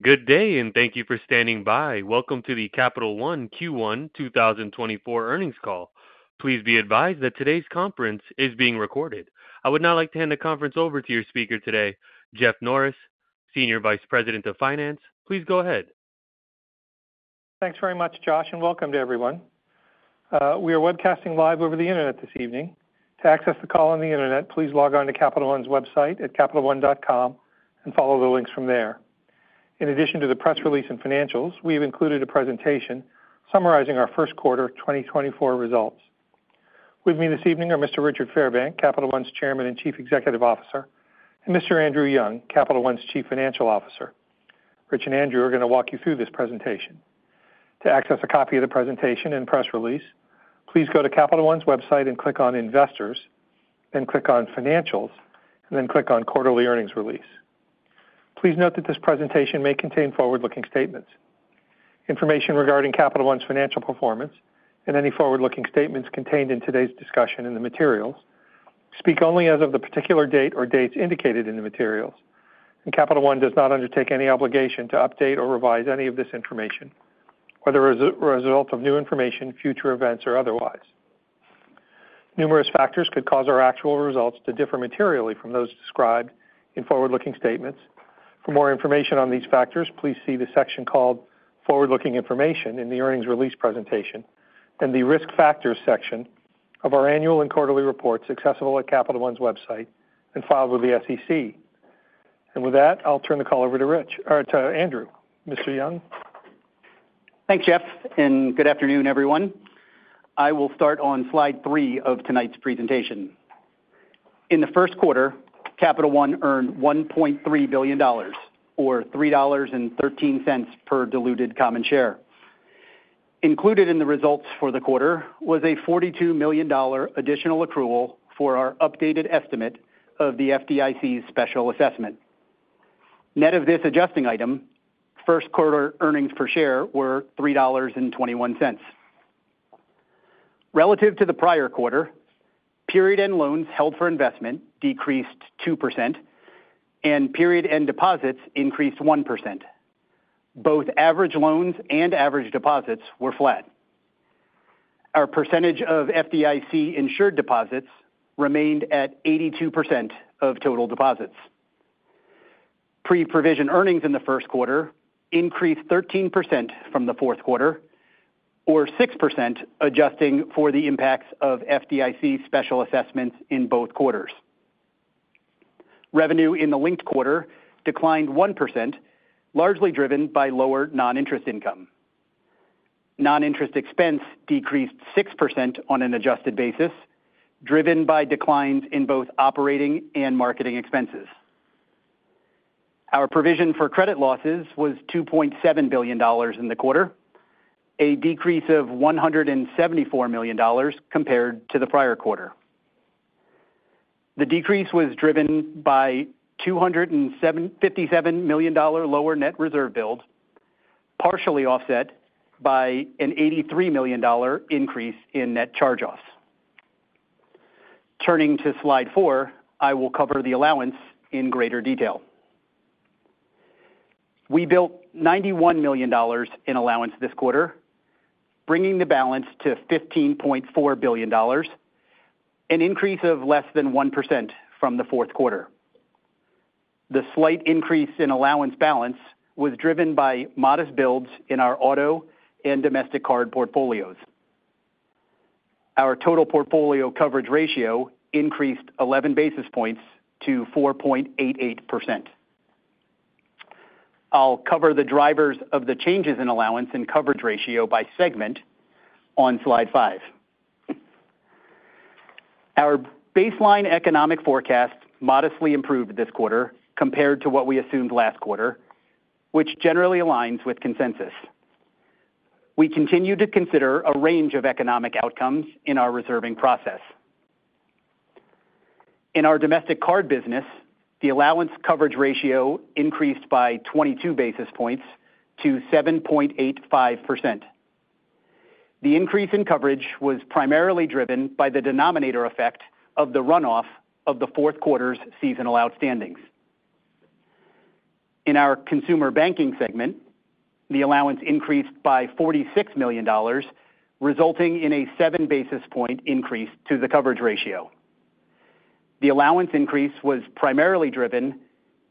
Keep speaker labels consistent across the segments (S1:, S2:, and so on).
S1: Good day and thank you for standing by. Welcome to the Capital One Q1 2024 earnings call. Please be advised that today's conference is being recorded. I would now like to hand the conference over to your speaker today, Jeff Norris, Senior Vice President of Finance. Please go ahead.
S2: Thanks very much, Josh, and welcome to everyone. We are webcasting live over the internet this evening. To access the call on the internet, please log on to Capital One's website at capitalone.com and follow the links from there. In addition to the press release and financials, we have included a presentation summarizing our first quarter 2024 results. With me this evening are Mr. Richard Fairbank, Capital One's Chairman and Chief Executive Officer, and Mr. Andrew Young, Capital One's Chief Financial Officer. Rich and Andrew are going to walk you through this presentation. To access a copy of the presentation and press release, please go to Capital One's website and click on Investors, then click on Financials, and then click on Quarterly Earnings Release. Please note that this presentation may contain forward-looking statements. Information regarding Capital One's financial performance and any forward-looking statements contained in today's discussion in the materials speak only as of the particular date or dates indicated in the materials, and Capital One does not undertake any obligation to update or revise any of this information, whether as a result of new information, future events, or otherwise. Numerous factors could cause our actual results to differ materially from those described in forward-looking statements. For more information on these factors, please see the section called Forward-Looking Information in the earnings release presentation and the Risk Factors section of our annual and quarterly reports accessible at Capital One's website and filed with the SEC. And with that, I'll turn the call over to Rich or to Andrew. Mr. Young?
S3: Thanks, Jeff, and good afternoon, everyone. I will start on slide three of tonight's presentation. In the first quarter, Capital One earned $1.3 billion, or $3.13 per diluted common share. Included in the results for the quarter was a $42 million additional accrual for our updated estimate of the FDIC's special assessment. Net of this adjusting item, first quarter earnings per share were $3.21. Relative to the prior quarter, period-end loans held for investment decreased 2%, and period-end deposits increased 1%. Both average loans and average deposits were flat. Our percentage of FDIC-insured deposits remained at 82% of total deposits. Pre-provision earnings in the first quarter increased 13% from the fourth quarter, or 6% adjusting for the impacts of FDIC special assessments in both quarters. Revenue in the linked quarter declined 1%, largely driven by lower non-interest income. Noninterest expense decreased 6% on an adjusted basis, driven by declines in both operating and marketing expenses. Our provision for credit losses was $2.7 billion in the quarter, a decrease of $174 million compared to the prior quarter. The decrease was driven by a $257 million lower net reserve build, partially offset by an $83 million increase in net charge-offs. Turning to slide four, I will cover the allowance in greater detail. We built $91 million in allowance this quarter, bringing the balance to $15.4 billion, an increase of less than 1% from the fourth quarter. The slight increase in allowance balance was driven by modest builds in our auto and domestic card portfolios. Our total portfolio coverage ratio increased 11 basis points to 4.88%. I'll cover the drivers of the changes in allowance and coverage ratio by segment on slide five. Our baseline economic forecast modestly improved this quarter compared to what we assumed last quarter, which generally aligns with consensus. We continue to consider a range of economic outcomes in our reserving process. In our domestic card business, the allowance coverage ratio increased by 22 basis points to 7.85%. The increase in coverage was primarily driven by the denominator effect of the runoff of the fourth quarter's seasonal outstandings. In our consumer banking segment, the allowance increased by $46 million, resulting in a 7 basis point increase to the coverage ratio. The allowance increase was primarily driven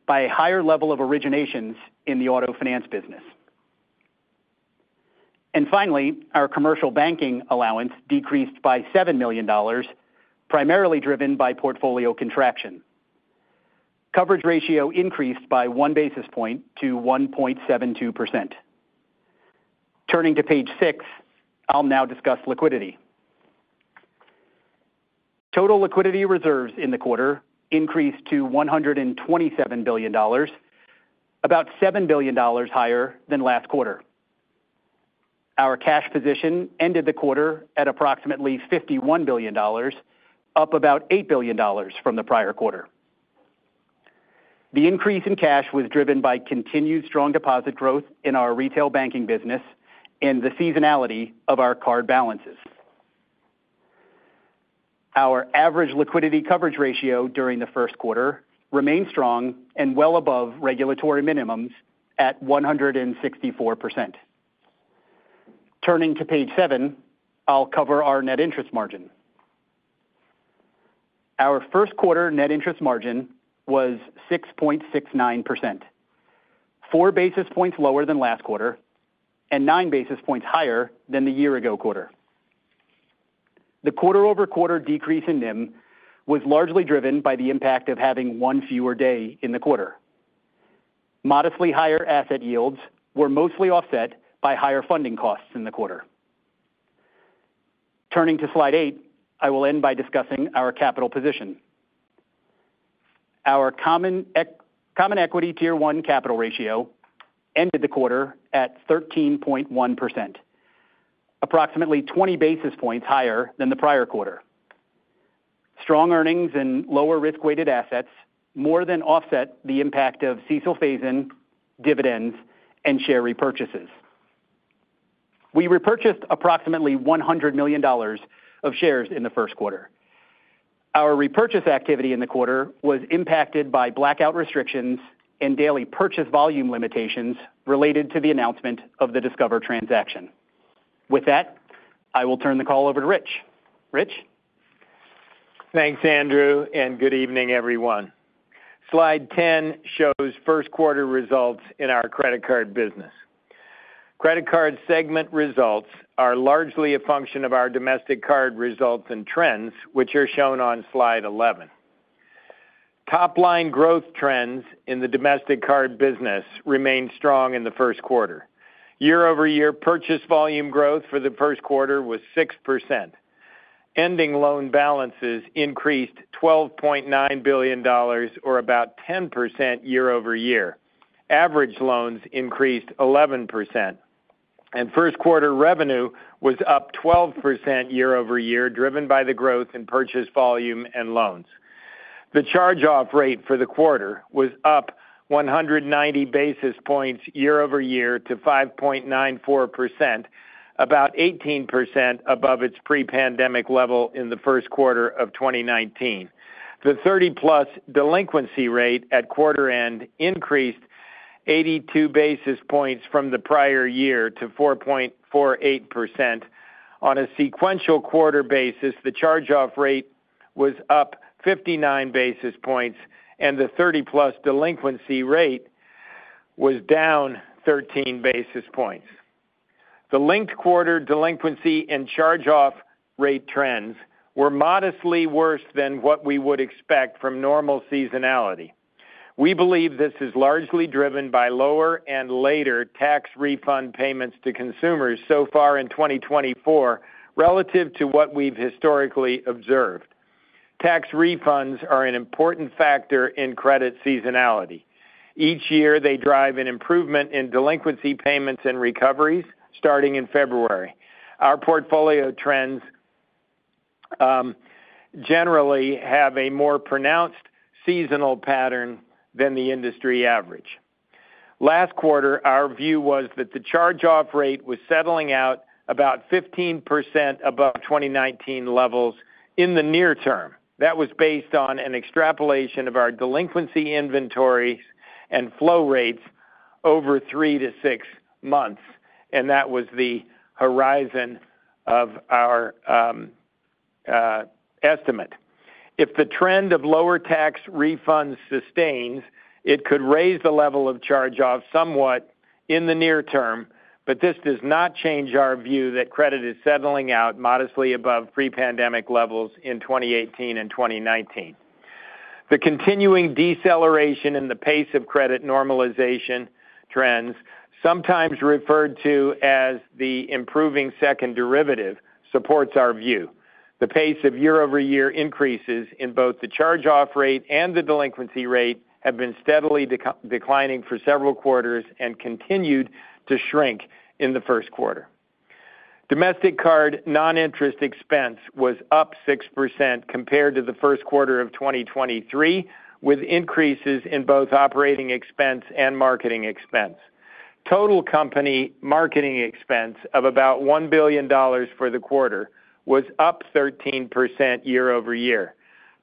S3: by a higher level of originations in the auto finance business. And finally, our commercial banking allowance decreased by $7 million, primarily driven by portfolio contraction. Coverage ratio increased by 1 basis point to 1.72%. Turning to page six, I'll now discuss liquidity. Total liquidity reserves in the quarter increased to $127 billion, about $7 billion higher than last quarter. Our cash position ended the quarter at approximately $51 billion, up about $8 billion from the prior quarter. The increase in cash was driven by continued strong deposit growth in our retail banking business and the seasonality of our card balances. Our average liquidity coverage ratio during the first quarter remained strong and well above regulatory minimums at 164%. Turning to page seven, I'll cover our net interest margin. Our first quarter net interest margin was 6.69%, four basis points lower than last quarter and nine basis points higher than the year-ago quarter. The quarter-over-quarter decrease in NIM was largely driven by the impact of having one fewer day in the quarter. Modestly higher asset yields were mostly offset by higher funding costs in the quarter. Turning to slide 8, I will end by discussing our capital position. Our Common Equity Tier 1 capital ratio ended the quarter at 13.1%, approximately 20 basis points higher than the prior quarter. Strong earnings and lower risk-weighted assets more than offset the impact of CECL phase-in dividends and share repurchases. We repurchased approximately $100 million of shares in the first quarter. Our repurchase activity in the quarter was impacted by blackout restrictions and daily purchase volume limitations related to the announcement of the Discover transaction. With that, I will turn the call over to Rich. Rich?
S4: Thanks, Andrew, and good evening, everyone. Slide 10 shows first quarter results in our credit card business. Credit card segment results are largely a function of our domestic card results and trends, which are shown on slide 11. Top-line growth trends in the domestic card business remained strong in the first quarter. Year-over-year purchase volume growth for the first quarter was 6%. Ending loan balances increased $12.9 billion, or about 10% year-over-year. Average loans increased 11%. First quarter revenue was up 12% year-over-year, driven by the growth in purchase volume and loans. The charge-off rate for the quarter was up 190 basis points year-over-year to 5.94%, about 18% above its pre-pandemic level in the first quarter of 2019. The 30+ delinquency rate at quarter end increased 82 basis points from the prior year to 4.48%. On a sequential quarter basis, the charge-off rate was up 59 basis points, and the 30+ delinquency rate was down 13 basis points. The linked quarter delinquency and charge-off rate trends were modestly worse than what we would expect from normal seasonality. We believe this is largely driven by lower and later tax refund payments to consumers so far in 2024 relative to what we've historically observed. Tax refunds are an important factor in credit seasonality. Each year, they drive an improvement in delinquency payments and recoveries starting in February. Our portfolio trends generally have a more pronounced seasonal pattern than the industry average. Last quarter, our view was that the charge-off rate was settling out about 15% above 2019 levels in the near term. That was based on an extrapolation of our delinquency inventories and flow rates over 3-6 months, and that was the horizon of our estimate. If the trend of lower tax refunds sustains, it could raise the level of charge-off somewhat in the near term, but this does not change our view that credit is settling out modestly above pre-pandemic levels in 2018 and 2019. The continuing deceleration in the pace of credit normalization trends, sometimes referred to as the improving second derivative, supports our view. The pace of year-over-year increases in both the charge-off rate and the delinquency rate have been steadily declining for several quarters and continued to shrink in the first quarter. Domestic card non-interest expense was up 6% compared to the first quarter of 2023, with increases in both operating expense and marketing expense. Total company marketing expense of about $1 billion for the quarter was up 13% year-over-year.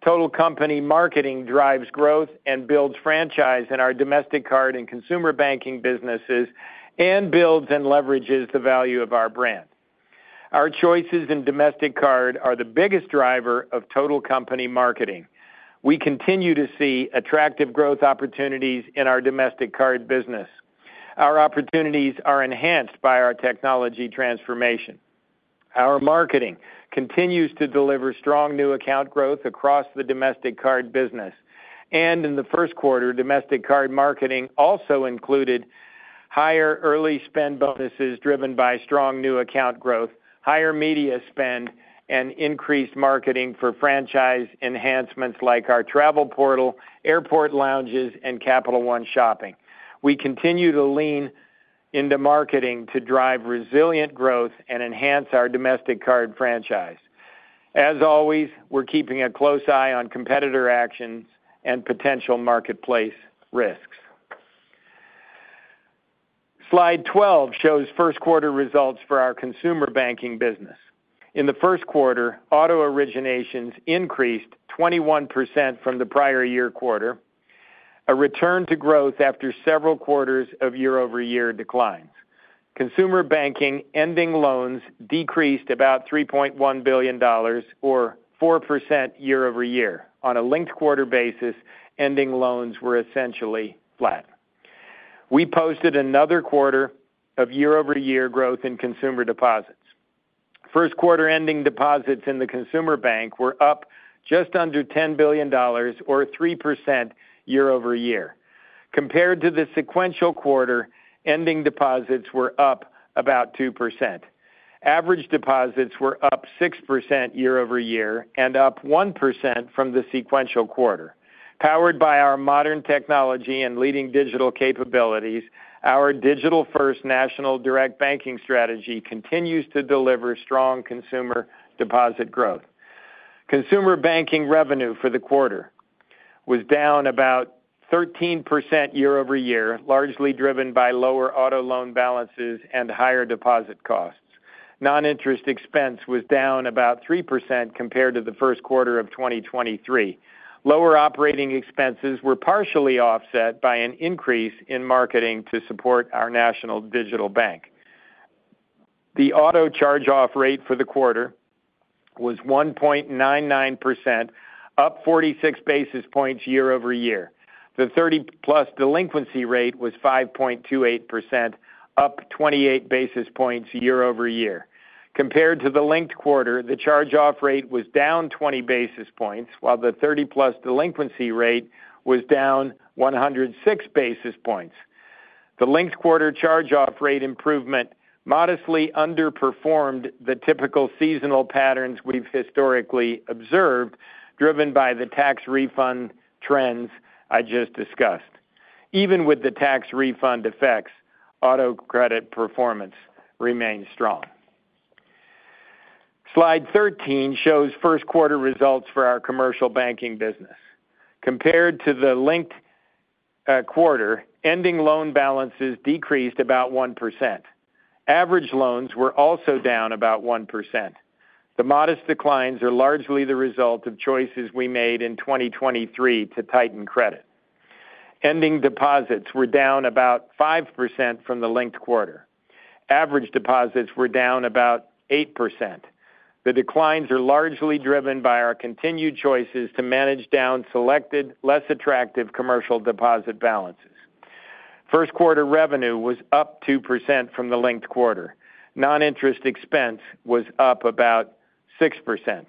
S4: Total company marketing drives growth and builds franchise in our domestic card and consumer banking businesses and builds and leverages the value of our brand. Our choices in domestic card are the biggest driver of total company marketing. We continue to see attractive growth opportunities in our domestic card business. Our opportunities are enhanced by our technology transformation. Our marketing continues to deliver strong new account growth across the domestic card business, and in the first quarter, domestic card marketing also included higher early spend bonuses driven by strong new account growth, higher media spend, and increased marketing for franchise enhancements like our travel portal, airport lounges, and Capital One Shopping. We continue to lean into marketing to drive resilient growth and enhance our domestic card franchise. As always, we're keeping a close eye on competitor actions and potential marketplace risks. Slide 12 shows first quarter results for our consumer banking business. In the first quarter, auto originations increased 21% from the prior year quarter, a return to growth after several quarters of year-over-year declines. Consumer banking ending loans decreased about $3.1 billion, or 4% year-over-year. On a linked quarter basis, ending loans were essentially flat. We posted another quarter of year-over-year growth in consumer deposits. First quarter ending deposits in the consumer bank were up just under $10 billion, or 3% year-over-year. Compared to the sequential quarter, ending deposits were up about 2%. Average deposits were up 6% year-over-year and up 1% from the sequential quarter. Powered by our modern technology and leading digital capabilities, our digital-first national direct banking strategy continues to deliver strong consumer deposit growth. Consumer banking revenue for the quarter was down about 13% year-over-year, largely driven by lower auto loan balances and higher deposit costs. Non-interest expense was down about 3% compared to the first quarter of 2023. Lower operating expenses were partially offset by an increase in marketing to support our national digital bank. The auto charge-off rate for the quarter was 1.99%, up 46 basis points year-over-year. The 30+ delinquency rate was 5.28%, up 28 basis points year-over-year. Compared to the linked quarter, the charge-off rate was down 20 basis points, while the 30+ delinquency rate was down 106 basis points. The linked quarter charge-off rate improvement modestly underperformed the typical seasonal patterns we've historically observed, driven by the tax refund trends I just discussed. Even with the tax refund effects, auto credit performance remained strong. Slide 13 shows first quarter results for our commercial banking business. Compared to the linked quarter, ending loan balances decreased about 1%. Average loans were also down about 1%. The modest declines are largely the result of choices we made in 2023 to tighten credit. Ending deposits were down about 5% from the linked quarter. Average deposits were down about 8%. The declines are largely driven by our continued choices to manage down selected, less attractive commercial deposit balances. First quarter revenue was up 2% from the linked quarter. Noninterest expense was up about 6%.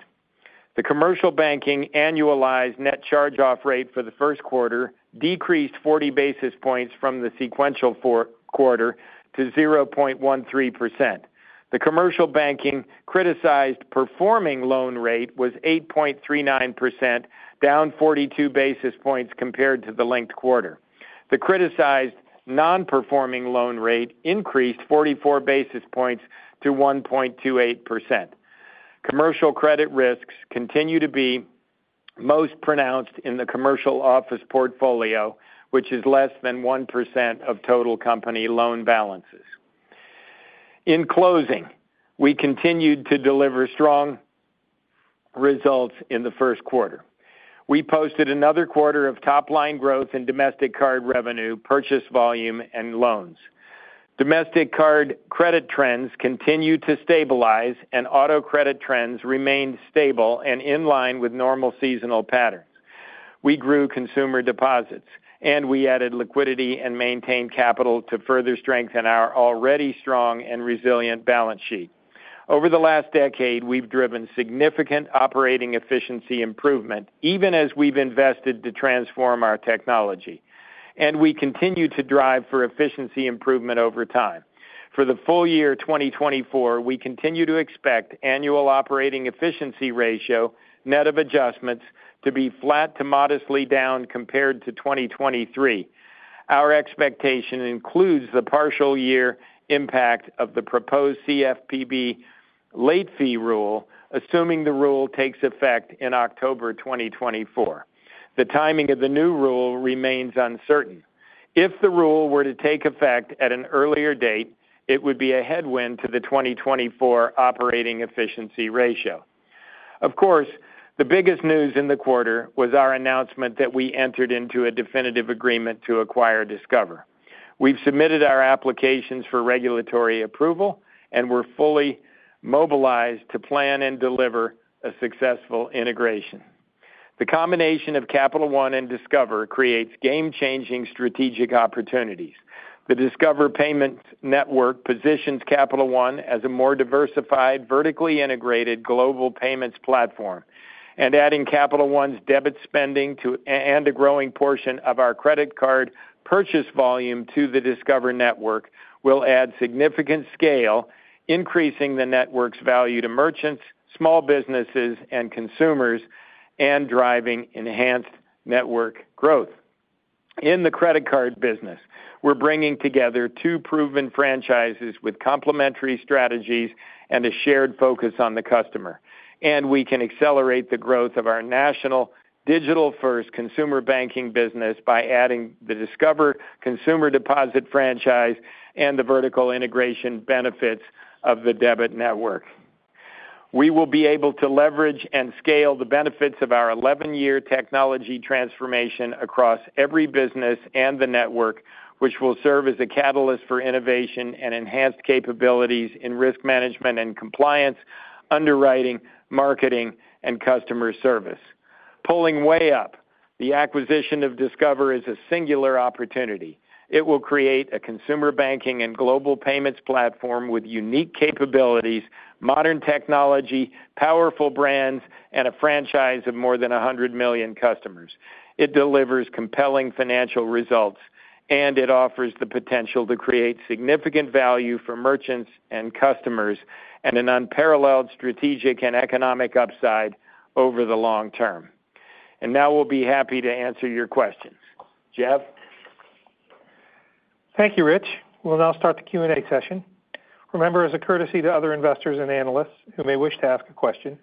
S4: The commercial banking annualized net charge-off rate for the first quarter decreased 40 basis points from the sequential quarter to 0.13%. The commercial banking criticized performing loan rate was 8.39%, down 42 basis points compared to the linked quarter. The criticized non-performing loan rate increased 44 basis points to 1.28%. Commercial credit risks continue to be most pronounced in the commercial office portfolio, which is less than 1% of total company loan balances. In closing, we continued to deliver strong results in the first quarter. We posted another quarter of top-line growth in domestic card revenue, purchase volume, and loans. Domestic card credit trends continued to stabilize, and auto credit trends remained stable and in line with normal seasonal patterns. We grew consumer deposits, and we added liquidity and maintained capital to further strengthen our already strong and resilient balance sheet. Over the last decade, we've driven significant operating efficiency improvement, even as we've invested to transform our technology. And we continue to drive for efficiency improvement over time. For the full year 2024, we continue to expect annual operating efficiency ratio, net of adjustments, to be flat to modestly down compared to 2023. Our expectation includes the partial year impact of the proposed CFPB late fee rule, assuming the rule takes effect in October 2024. The timing of the new rule remains uncertain. If the rule were to take effect at an earlier date, it would be a headwind to the 2024 operating efficiency ratio. Of course, the biggest news in the quarter was our announcement that we entered into a definitive agreement to acquire Discover. We've submitted our applications for regulatory approval, and we're fully mobilized to plan and deliver a successful integration. The combination of Capital One and Discover creates game-changing strategic opportunities. The Discover payments network positions Capital One as a more diversified, vertically integrated global payments platform. Adding Capital One's debit spending and a growing portion of our credit card purchase volume to the Discover Network will add significant scale, increasing the network's value to merchants, small businesses, and consumers, and driving enhanced network growth. In the credit card business, we're bringing together two proven franchises with complementary strategies and a shared focus on the customer. We can accelerate the growth of our national digital-first consumer banking business by adding the Discover consumer deposit franchise and the vertical integration benefits of the debit network. We will be able to leverage and scale the benefits of our eleven-year technology transformation across every business and the network, which will serve as a catalyst for innovation and enhanced capabilities in risk management and compliance, underwriting, marketing, and customer service. Pulling way up, the acquisition of Discover is a singular opportunity. It will create a consumer banking and global payments platform with unique capabilities, modern technology, powerful brands, and a franchise of more than 100 million customers. It delivers compelling financial results, and it offers the potential to create significant value for merchants and customers and an unparalleled strategic and economic upside over the long term. Now we'll be happy to answer your questions. Jeff?
S2: Thank you, Rich. We'll now start the Q&A session. Remember, as a courtesy to other investors and analysts who may wish to ask a question,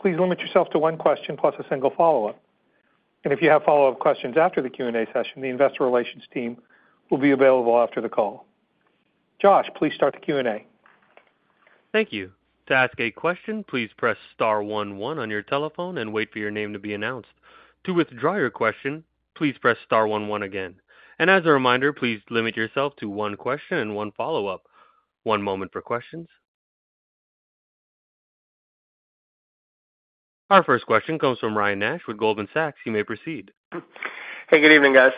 S2: please limit yourself to one question plus a single follow-up. If you have follow-up questions after the Q&A session, the investor relations team will be available after the call. Josh, please start the Q&A.
S1: Thank you. To ask a question, please press star one one on your telephone and wait for your name to be announced. To withdraw your question, please press star one one again. And as a reminder, please limit yourself to one question and one follow-up. One moment for questions. Our first question comes from Ryan Nash with Goldman Sachs. You may proceed.
S5: Hey, good evening, guys.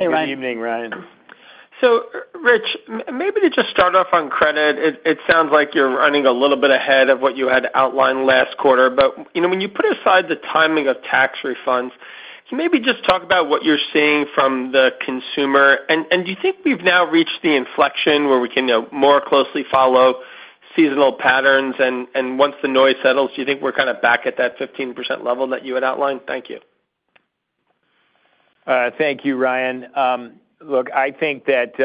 S5: Hey, Ryan.
S4: Good evening, Ryan.
S5: So, Rich, maybe to just start off on credit, it sounds like you're running a little bit ahead of what you had outlined last quarter. But when you put aside the timing of tax refunds, can you maybe just talk about what you're seeing from the consumer? And do you think we've now reached the inflection where we can more closely follow seasonal patterns? And once the noise settles, do you think we're kind of back at that 15% level that you had outlined? Thank you.
S4: Thank you, Ryan. Look, I think that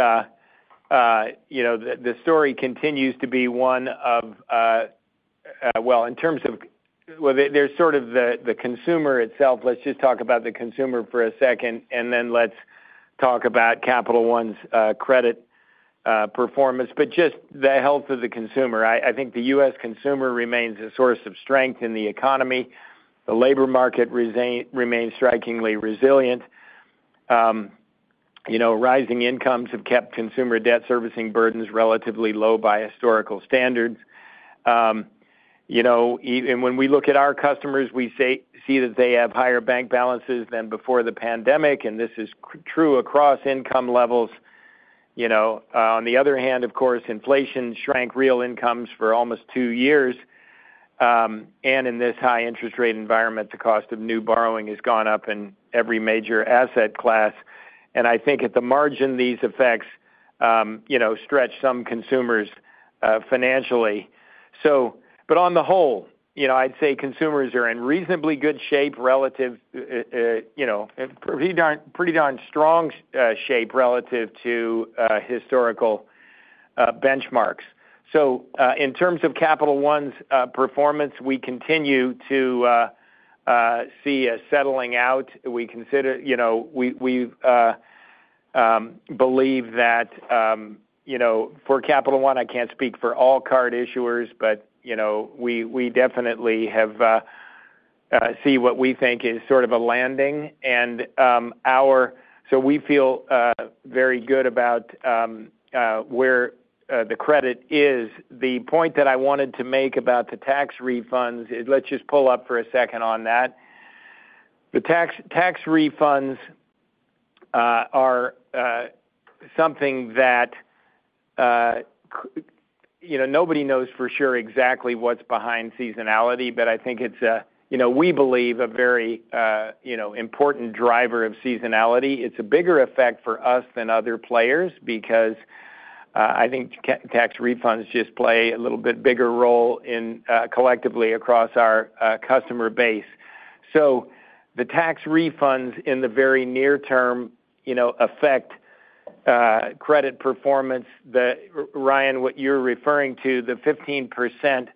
S4: the story continues to be one of, well, in terms of, well, there's sort of the consumer itself. Let's just talk about the consumer for a second, and then let's talk about Capital One's credit performance. But just the health of the consumer. I think the U.S. consumer remains a source of strength in the economy. The labor market remains strikingly resilient. Rising incomes have kept consumer debt servicing burdens relatively low by historical standards. When we look at our customers, we see that they have higher bank balances than before the pandemic, and this is true across income levels. On the other hand, of course, inflation shrank real incomes for almost two years. In this high-interest-rate environment, the cost of new borrowing has gone up in every major asset class. I think at the margin, these effects stretch some consumers financially. But on the whole, I'd say consumers are in reasonably good shape relative to pretty darn strong shape relative to historical benchmarks. So in terms of Capital One's performance, we continue to see a settling out. We believe that for Capital One, I can't speak for all card issuers, but we definitely have seen what we think is sort of a landing. And so we feel very good about where the credit is. The point that I wanted to make about the tax refunds is let's just pull up for a second on that. The tax refunds are something that nobody knows for sure exactly what's behind seasonality, but I think it's, we believe, a very important driver of seasonality. It's a bigger effect for us than other players because I think tax refunds just play a little bit bigger role collectively across our customer base. So the tax refunds in the very near term affect credit performance. Ryan, what you're referring to, the 15%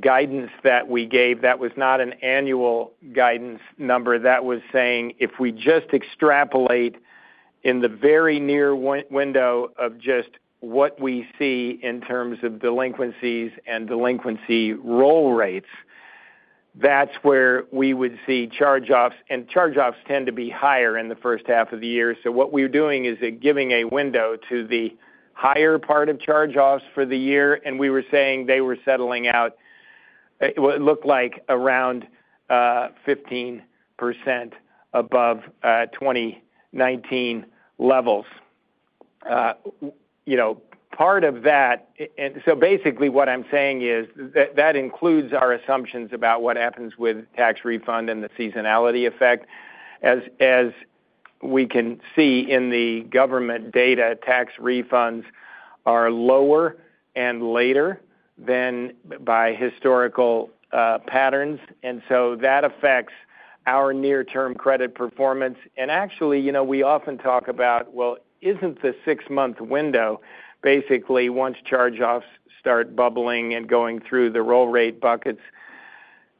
S4: guidance that we gave, that was not an annual guidance number. That was saying if we just extrapolate in the very near window of just what we see in terms of delinquencies and delinquency roll rates, that's where we would see charge-offs. And charge-offs tend to be higher in the first half of the year. So what we're doing is giving a window to the higher part of charge-offs for the year. And we were saying they were settling out. It looked like around 15% above 2019 levels. Part of that so basically what I'm saying is that includes our assumptions about what happens with tax refund and the seasonality effect. As we can see in the government data, tax refunds are lower and later than by historical patterns. So that affects our near-term credit performance. Actually, we often talk about, well, isn't the six-month window basically once charge-offs start bubbling and going through the roll rate buckets,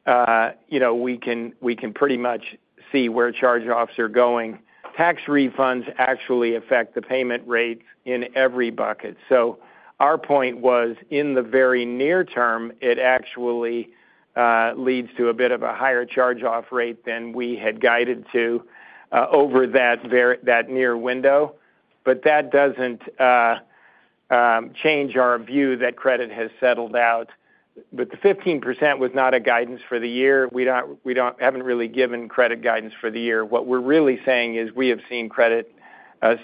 S4: we can pretty much see where charge-offs are going? Tax refunds actually affect the payment rates in every bucket. Our point was in the very near term, it actually leads to a bit of a higher charge-off rate than we had guided to over that near window. That doesn't change our view that credit has settled out. The 15% was not a guidance for the year. We haven't really given credit guidance for the year. What we're really saying is we have seen credit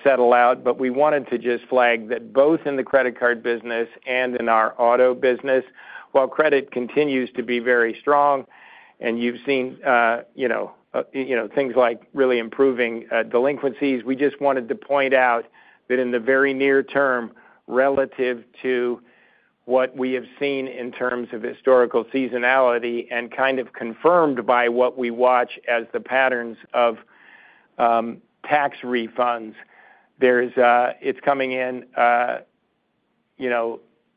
S4: settle out, but we wanted to just flag that both in the credit card business and in our auto business, while credit continues to be very strong and you've seen things like really improving delinquencies, we just wanted to point out that in the very near term, relative to what we have seen in terms of historical seasonality and kind of confirmed by what we watch as the patterns of tax refunds, it's coming in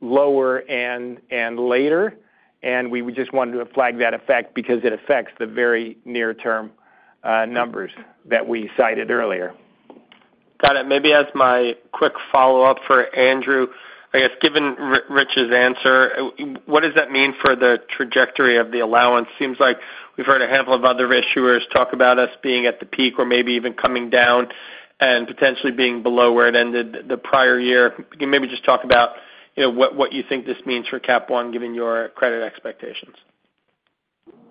S4: lower and later. And we just wanted to flag that effect because it affects the very near-term numbers that we cited earlier.
S5: Got it. Maybe as my quick follow-up for Andrew, I guess given Rich's answer, what does that mean for the trajectory of the allowance? Seems like we've heard a handful of other issuers talk about us being at the peak or maybe even coming down and potentially being below where it ended the prior year. Can you maybe just talk about what you think this means for Cap One given your credit expectations?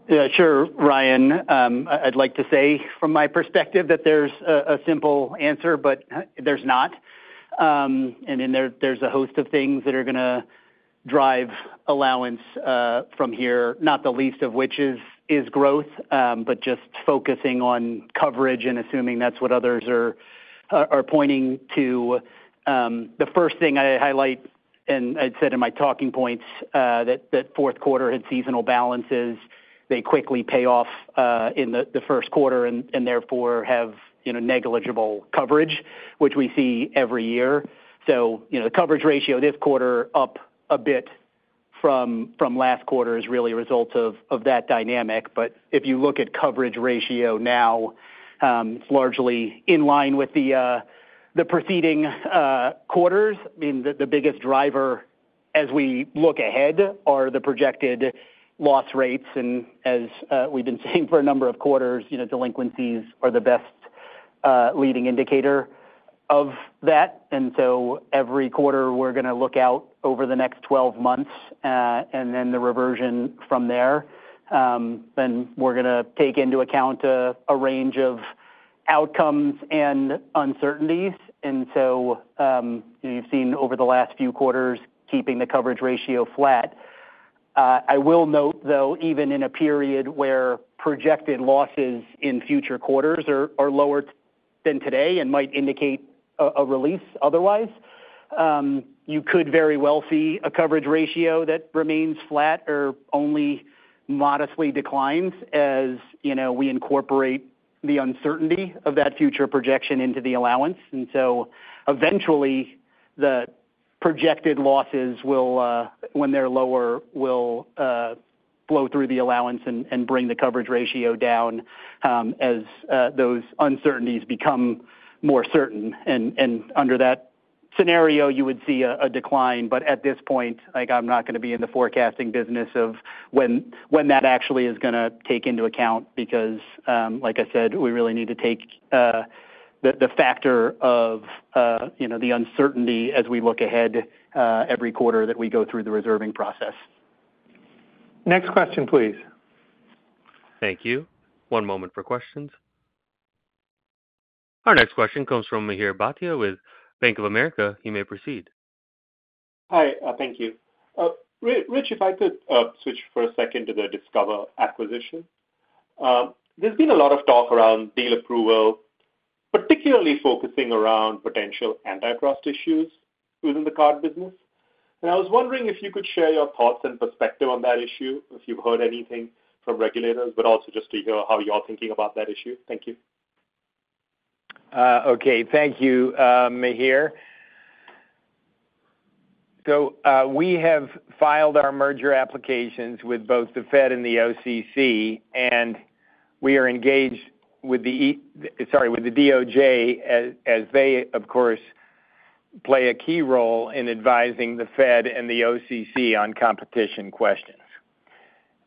S3: Yeah, sure, Ryan. I'd like to say from my perspective that there's a simple answer, but there's not. And then there's a host of things that are going to drive allowance from here, not the least of which is growth, but just focusing on coverage and assuming that's what others are pointing to. The first thing I highlight, and I'd said in my talking points, that fourth quarter had seasonal balances. They quickly pay off in the first quarter and therefore have negligible coverage, which we see every year. So the coverage ratio this quarter up a bit from last quarter is really a result of that dynamic. But if you look at coverage ratio now, it's largely in line with the preceding quarters. I mean, the biggest driver as we look ahead are the projected loss rates. And as we've been saying for a number of quarters, delinquencies are the best leading indicator of that. And so every quarter, we're going to look out over the next 12 months and then the reversion from there. Then we're going to take into account a range of outcomes and uncertainties. And so you've seen over the last few quarters keeping the coverage ratio flat. I will note, though, even in a period where projected losses in future quarters are lower than today and might indicate a release otherwise, you could very well see a coverage ratio that remains flat or only modestly declines as we incorporate the uncertainty of that future projection into the allowance. So eventually, the projected losses, when they're lower, will flow through the allowance and bring the coverage ratio down as those uncertainties become more certain. Under that scenario, you would see a decline. But at this point, I'm not going to be in the forecasting business of when that actually is going to take into account because, like I said, we really need to take the factor of the uncertainty as we look ahead every quarter that we go through the reserving process.
S2: Next question, please.
S1: Thank you. One moment for questions. Our next question comes from Mihir Bhatia with Bank of America. You may proceed.
S6: Hi. Thank you. Rich, if I could switch for a second to the Discover acquisition. There's been a lot of talk around deal approval, particularly focusing around potential antitrust issues within the card business. And I was wondering if you could share your thoughts and perspective on that issue, if you've heard anything from regulators, but also just to hear how you're thinking about that issue. Thank you.
S4: Okay. Thank you, Mihir. So we have filed our merger applications with both the Fed and the OCC, and we are engaged with the DOJ as they, of course, play a key role in advising the Fed and the OCC on competition questions.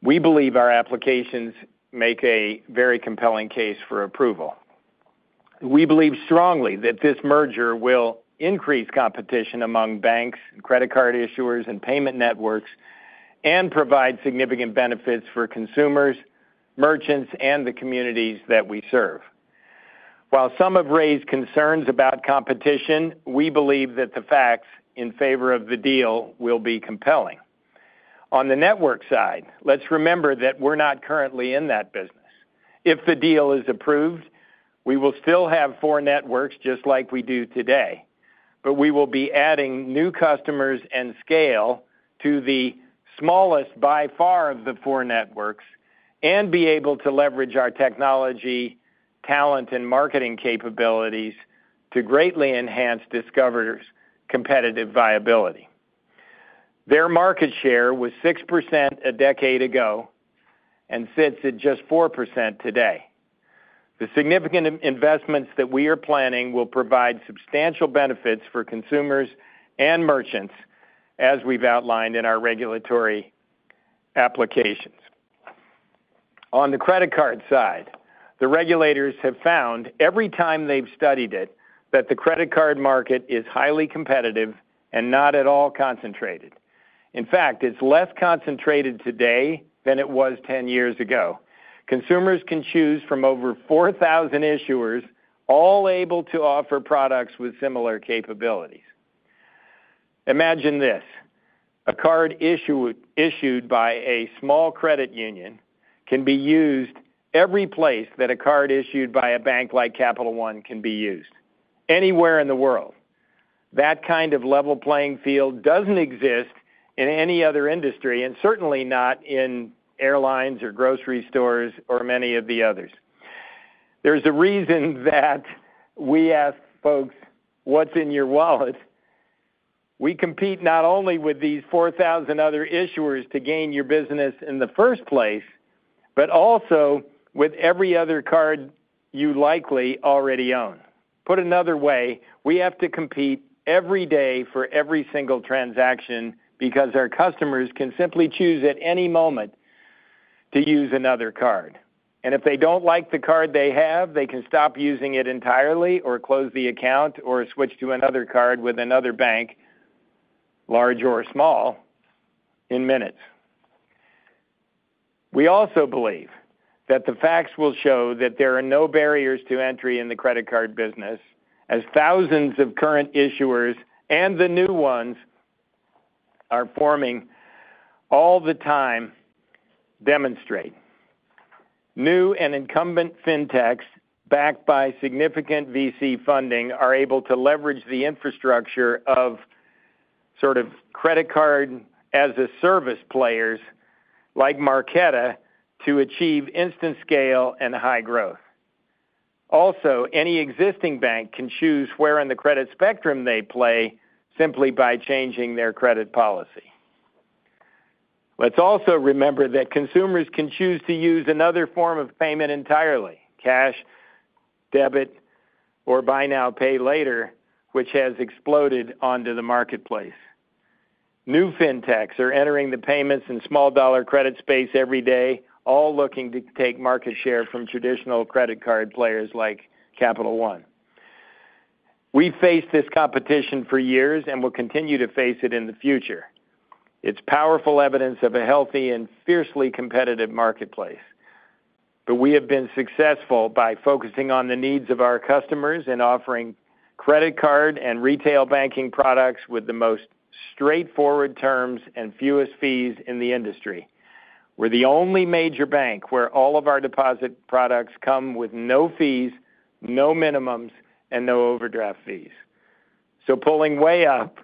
S4: We believe our applications make a very compelling case for approval. We believe strongly that this merger will increase competition among banks and credit card issuers and payment networks and provide significant benefits for consumers, merchants, and the communities that we serve. While some have raised concerns about competition, we believe that the facts in favor of the deal will be compelling. On the network side, let's remember that we're not currently in that business. If the deal is approved, we will still have four networks just like we do today. But we will be adding new customers and scale to the smallest by far of the four networks and be able to leverage our technology, talent, and marketing capabilities to greatly enhance Discover's competitive viability. Their market share was 6% a decade ago and sits at just 4% today. The significant investments that we are planning will provide substantial benefits for consumers and merchants as we've outlined in our regulatory applications. On the credit card side, the regulators have found every time they've studied it that the credit card market is highly competitive and not at all concentrated. In fact, it's less concentrated today than it was 10 years ago. Consumers can choose from over 4,000 issuers, all able to offer products with similar capabilities. Imagine this. A card issued by a small credit union can be used every place that a card issued by a bank like Capital One can be used, anywhere in the world. That kind of level playing field doesn't exist in any other industry and certainly not in airlines or grocery stores or many of the others. There's a reason that we ask folks, "What's in your wallet?" We compete not only with these 4,000 other issuers to gain your business in the first place, but also with every other card you likely already own. Put another way, we have to compete every day for every single transaction because our customers can simply choose at any moment to use another card. And if they don't like the card they have, they can stop using it entirely or close the account or switch to another card with another bank, large or small, in minutes. We also believe that the facts will show that there are no barriers to entry in the credit card business as thousands of current issuers and the new ones are forming all the time demonstrate. New and incumbent fintechs backed by significant VC funding are able to leverage the infrastructure of sort of credit card as a service players like Marqeta to achieve instant scale and high growth. Also, any existing bank can choose where on the credit spectrum they play simply by changing their credit policy. Let's also remember that consumers can choose to use another form of payment entirely, cash, debit, or buy now, pay later, which has exploded onto the marketplace. New fintechs are entering the payments and small dollar credit space every day, all looking to take market share from traditional credit card players like Capital One. We've faced this competition for years and will continue to face it in the future. It's powerful evidence of a healthy and fiercely competitive marketplace. But we have been successful by focusing on the needs of our customers and offering credit card and retail banking products with the most straightforward terms and fewest fees in the industry. We're the only major bank where all of our deposit products come with no fees, no minimums, and no overdraft fees. So pulling way up,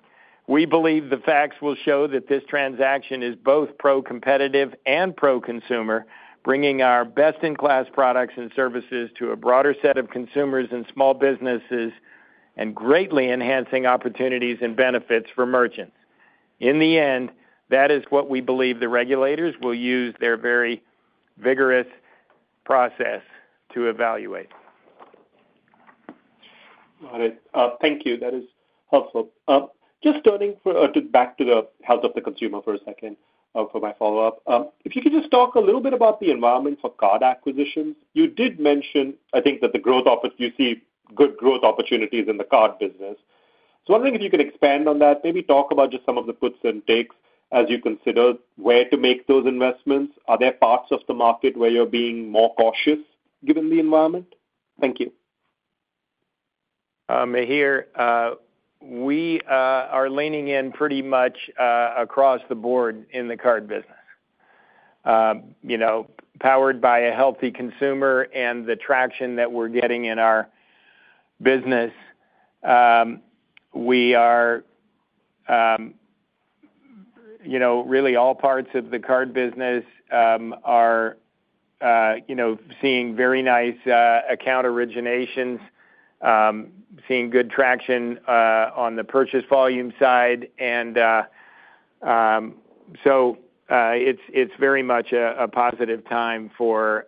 S4: we believe the facts will show that this transaction is both pro-competitive and pro-consumer, bringing our best-in-class products and services to a broader set of consumers and small businesses and greatly enhancing opportunities and benefits for merchants. In the end, that is what we believe the regulators will use their very vigorous process to evaluate.
S6: Got it. Thank you. That is helpful. Just turning back to the health of the consumer for a second for my follow-up. If you could just talk a little bit about the environment for card acquisitions. You did mention, I think, that the growth you see good growth opportunities in the card business. So wondering if you could expand on that, maybe talk about just some of the puts and takes as you consider where to make those investments. Are there parts of the market where you're being more cautious given the environment? Thank you.
S4: Mihir, we are leaning in pretty much across the board in the card business. Powered by a healthy consumer and the traction that we're getting in our business, we are really all parts of the card business are seeing very nice account originations, seeing good traction on the purchase volume side. So it's very much a positive time for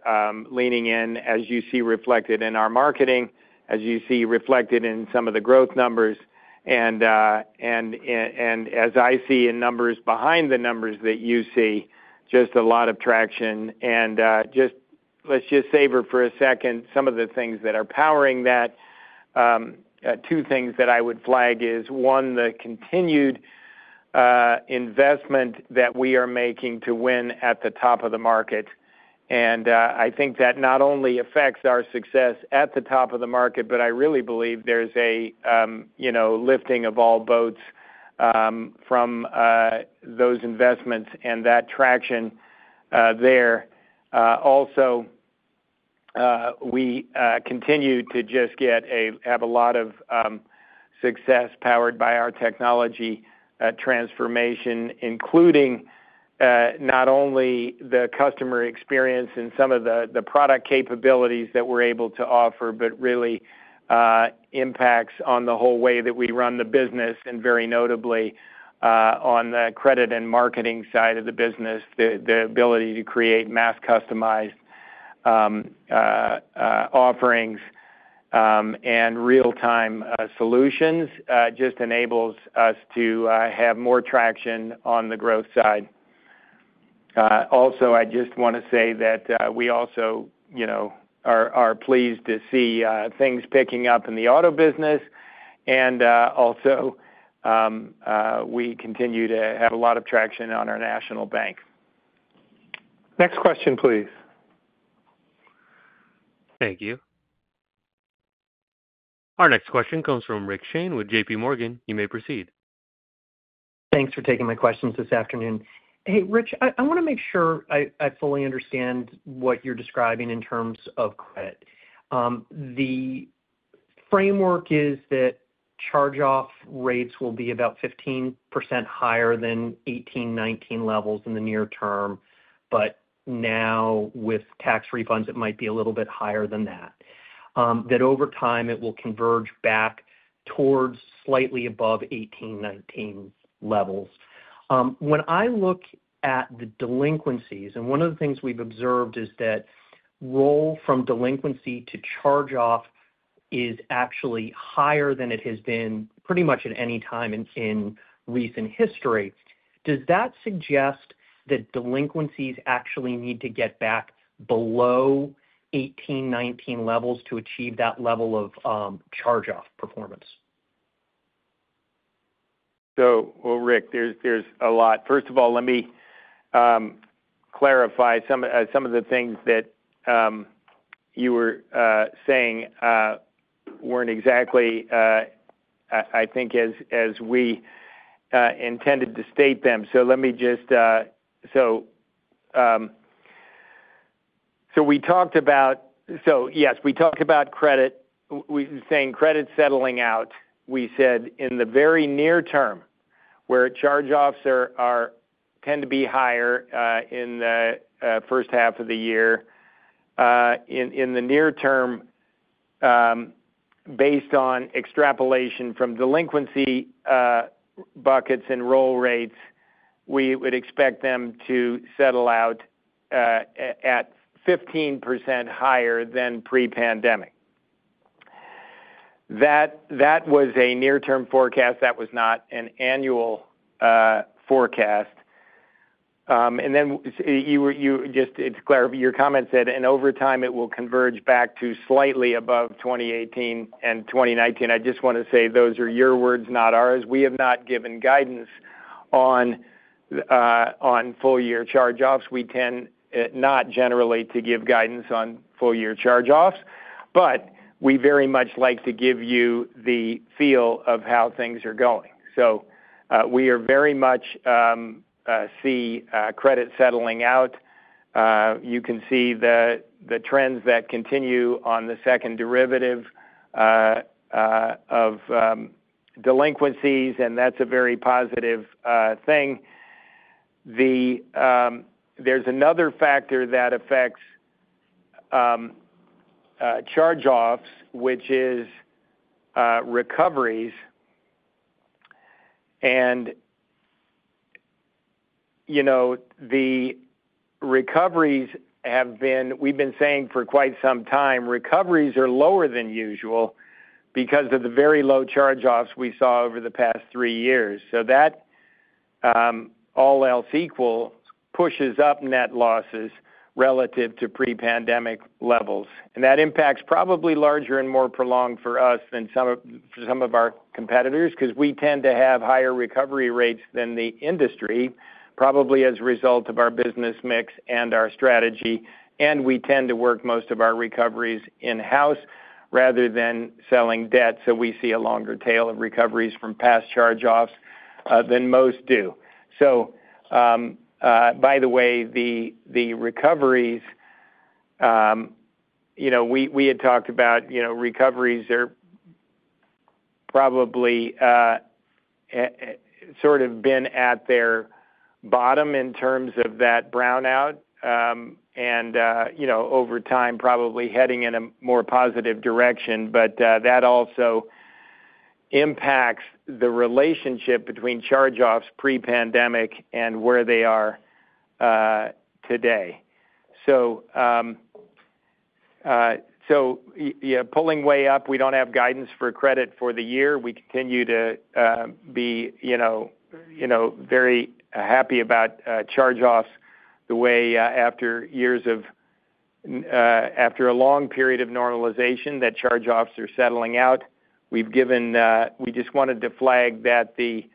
S4: leaning in as you see reflected in our marketing, as you see reflected in some of the growth numbers, and as I see in numbers behind the numbers that you see, just a lot of traction. Let's just savor for a second some of the things that are powering that. Two things that I would flag is, one, the continued investment that we are making to win at the top of the market. I think that not only affects our success at the top of the market, but I really believe there's a lifting of all boats from those investments and that traction there. Also, we continue to just have a lot of success powered by our technology transformation, including not only the customer experience and some of the product capabilities that we're able to offer, but really impacts on the whole way that we run the business and very notably on the credit and marketing side of the business, the ability to create mass-customized offerings and real-time solutions just enables us to have more traction on the growth side. Also, I just want to say that we also are pleased to see things picking up in the auto business. And also, we continue to have a lot of traction on our national bank.
S2: Next question, please.
S1: Thank you. Our next question comes from Rick Shane with JPMorgan. You may proceed.
S7: Thanks for taking my questions this afternoon. Hey, Rich, I want to make sure I fully understand what you're describing in terms of credit. The framework is that charge-off rates will be about 15% higher than 18, 19 levels in the near term, but now with tax refunds, it might be a little bit higher than that, that over time, it will converge back towards slightly above 18, 19 levels. When I look at the delinquencies, and one of the things we've observed is that roll from delinquency to charge-off is actually higher than it has been pretty much at any time in recent history. Does that suggest that delinquencies actually need to get back below 18, 19 levels to achieve that level of charge-off performance?
S4: So, well, Rick, there's a lot. First of all, let me clarify some of the things that you were saying weren't exactly, I think, as we intended to state them. So let me just say yes, we talked about credit. We were saying credit settling out. We said in the very near term, where charge-offs tend to be higher in the first half of the year, in the near term, based on extrapolation from delinquency buckets and roll rates, we would expect them to settle out at 15% higher than pre-pandemic. That was a near-term forecast. That was not an annual forecast. And then just to clarify your comment said "and over time, it will converge back to slightly above 2018 and 2019." I just want to say those are your words, not ours. We have not given guidance on full-year charge-offs. We tend not generally to give guidance on full-year charge-offs, but we very much like to give you the feel of how things are going. So we very much see credit settling out. You can see the trends that continue on the second derivative of delinquencies, and that's a very positive thing. There's another factor that affects charge-offs, which is recoveries. And the recoveries have been. We've been saying for quite some time, recoveries are lower than usual because of the very low charge-offs we saw over the past three years. So that all else equal pushes up net losses relative to pre-pandemic levels. And that impacts probably larger and more prolonged for us than for some of our competitors because we tend to have higher recovery rates than the industry, probably as a result of our business mix and our strategy. And we tend to work most of our recoveries in-house rather than selling debt. So we see a longer tail of recoveries from past charge-offs than most do. So, by the way, the recoveries we had talked about—recoveries are probably sort of been at their bottom in terms of that brownout and over time, probably heading in a more positive direction. But that also impacts the relationship between charge-offs, pre-pandemic, and where they are today. So, pulling way up, we don't have guidance for credit for the year. We continue to be very happy about charge-offs the way after years of a long period of normalization, that charge-offs are settling out. We just wanted to flag that the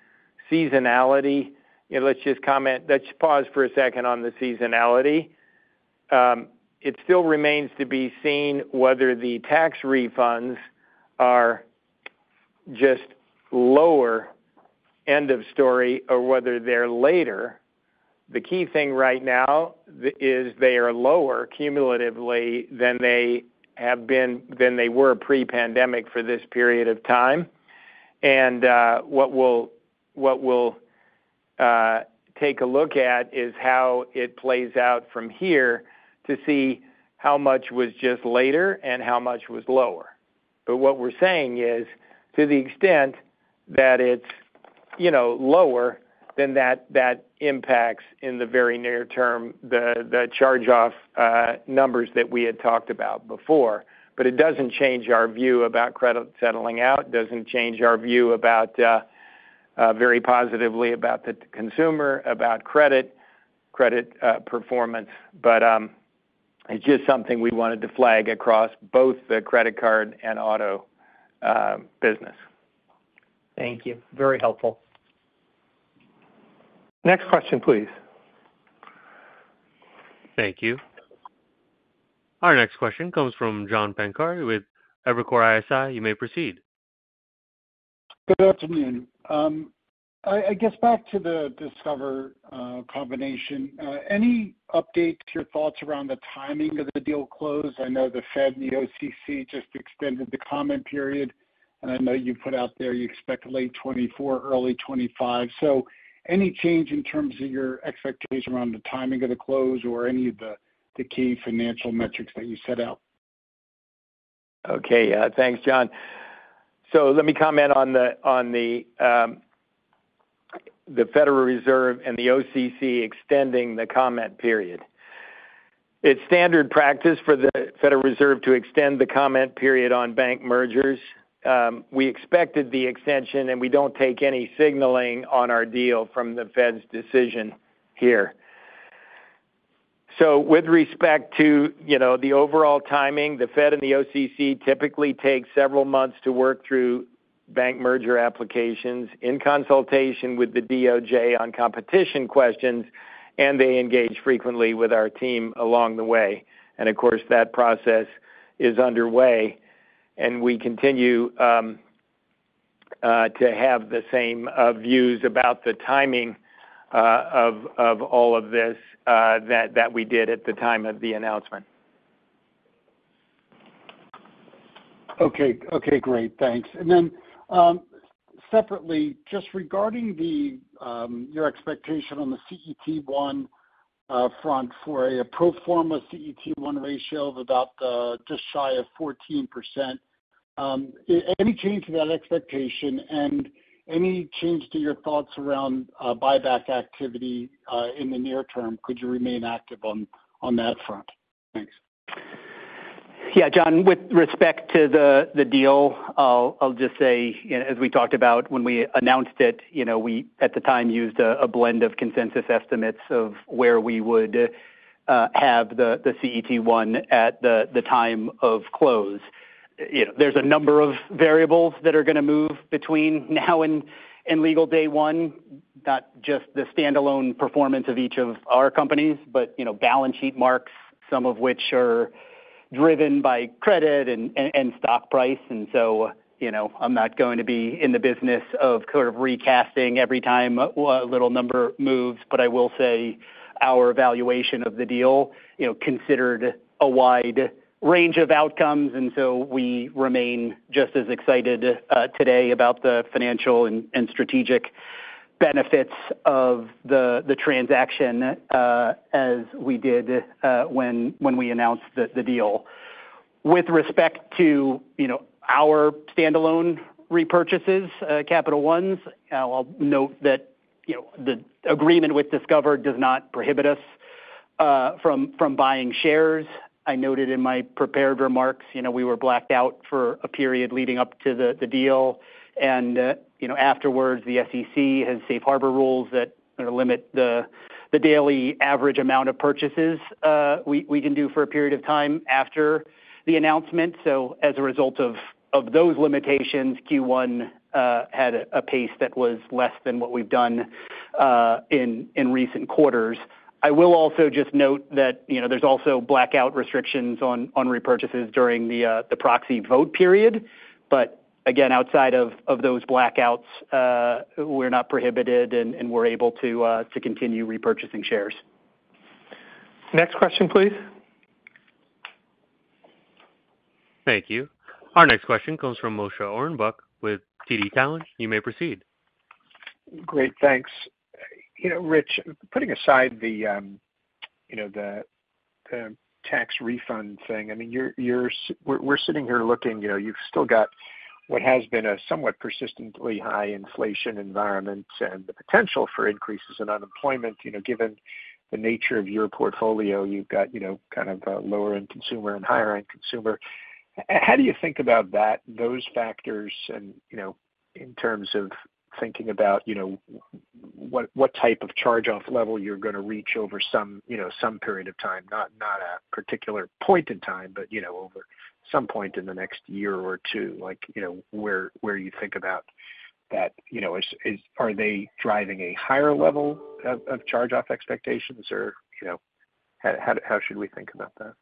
S4: seasonality. Let's just comment. Let's pause for a second on the seasonality. It still remains to be seen whether the tax refunds are just lower, end of story, or whether they're later. The key thing right now is they are lower cumulatively than they were pre-pandemic for this period of time. And what we'll take a look at is how it plays out from here to see how much was just later and how much was lower. But what we're saying is to the extent that it's lower, then that impacts in the very near term the charge-off numbers that we had talked about before. But it doesn't change our view about credit settling out. It doesn't change our view very positively about the consumer, about credit performance. But it's just something we wanted to flag across both the credit card and auto business.
S7: Thank you. Very helpful.
S2: Next question, please.
S1: Thank you. Our next question comes from John Pancari with Evercore ISI. You may proceed.
S8: Good afternoon. I guess back to the Discover combination. Any updates, your thoughts around the timing of the deal close? I know the Fed and the OCC just extended the comment period. And I know you put out there you expect late 2024, early 2025. So any change in terms of your expectation around the timing of the close or any of the key financial metrics that you set out?
S4: Okay. Thanks, John. So let me comment on the Federal Reserve and the OCC extending the comment period. It's standard practice for the Federal Reserve to extend the comment period on bank mergers. We expected the extension, and we don't take any signaling on our deal from the Fed's decision here. So with respect to the overall timing, the Fed and the OCC typically take several months to work through bank merger applications in consultation with the DOJ on competition questions, and they engage frequently with our team along the way. Of course, that process is underway, and we continue to have the same views about the timing of all of this that we did at the time of the announcement.
S8: Okay. Okay. Great. Thanks. Then separately, just regarding your expectation on the CET1 front for a pro forma CET1 ratio of about just shy of 14%, any change to that expectation and any change to your thoughts around buyback activity in the near term? Could you remain active on that front? Thanks.
S3: Yeah, John, with respect to the deal, I'll just say, as we talked about, when we announced it, we at the time used a blend of consensus estimates of where we would have the CET1 at the time of close. There's a number of variables that are going to move between now and legal day one, not just the standalone performance of each of our companies, but balance sheet marks, some of which are driven by credit and stock price. So I'm not going to be in the business of sort of recasting every time a little number moves. But I will say our evaluation of the deal considered a wide range of outcomes. So we remain just as excited today about the financial and strategic benefits of the transaction as we did when we announced the deal. With respect to our standalone repurchases, Capital One's, I'll note that the agreement with Discover does not prohibit us from buying shares. I noted in my prepared remarks, we were blacked out for a period leading up to the deal. Afterwards, the SEC has safe harbor rules that limit the daily average amount of purchases we can do for a period of time after the announcement. So as a result of those limitations, Q1 had a pace that was less than what we've done in recent quarters. I will also just note that there's also blackout restrictions on repurchases during the proxy vote period. But again, outside of those blackouts, we're not prohibited and we're able to continue repurchasing shares.
S2: Next question, please.
S1: Thank you. Our next question comes from Moshe Orenbuch with TD Cowen. You may proceed.
S9: Great. Thanks. Rich, putting aside the tax refund thing, I mean, we're sitting here looking, you've still got what has been a somewhat persistently high inflation environment and the potential for increases in unemployment. Given the nature of your portfolio, you've got kind of lower-end consumer and higher-end consumer. How do you think about those factors in terms of thinking about what type of charge-off level you're going to reach over some period of time, not a particular point in time, but over some point in the next year or two, where you think about that? Are they driving a higher level of charge-off expectations, or how should we think about that?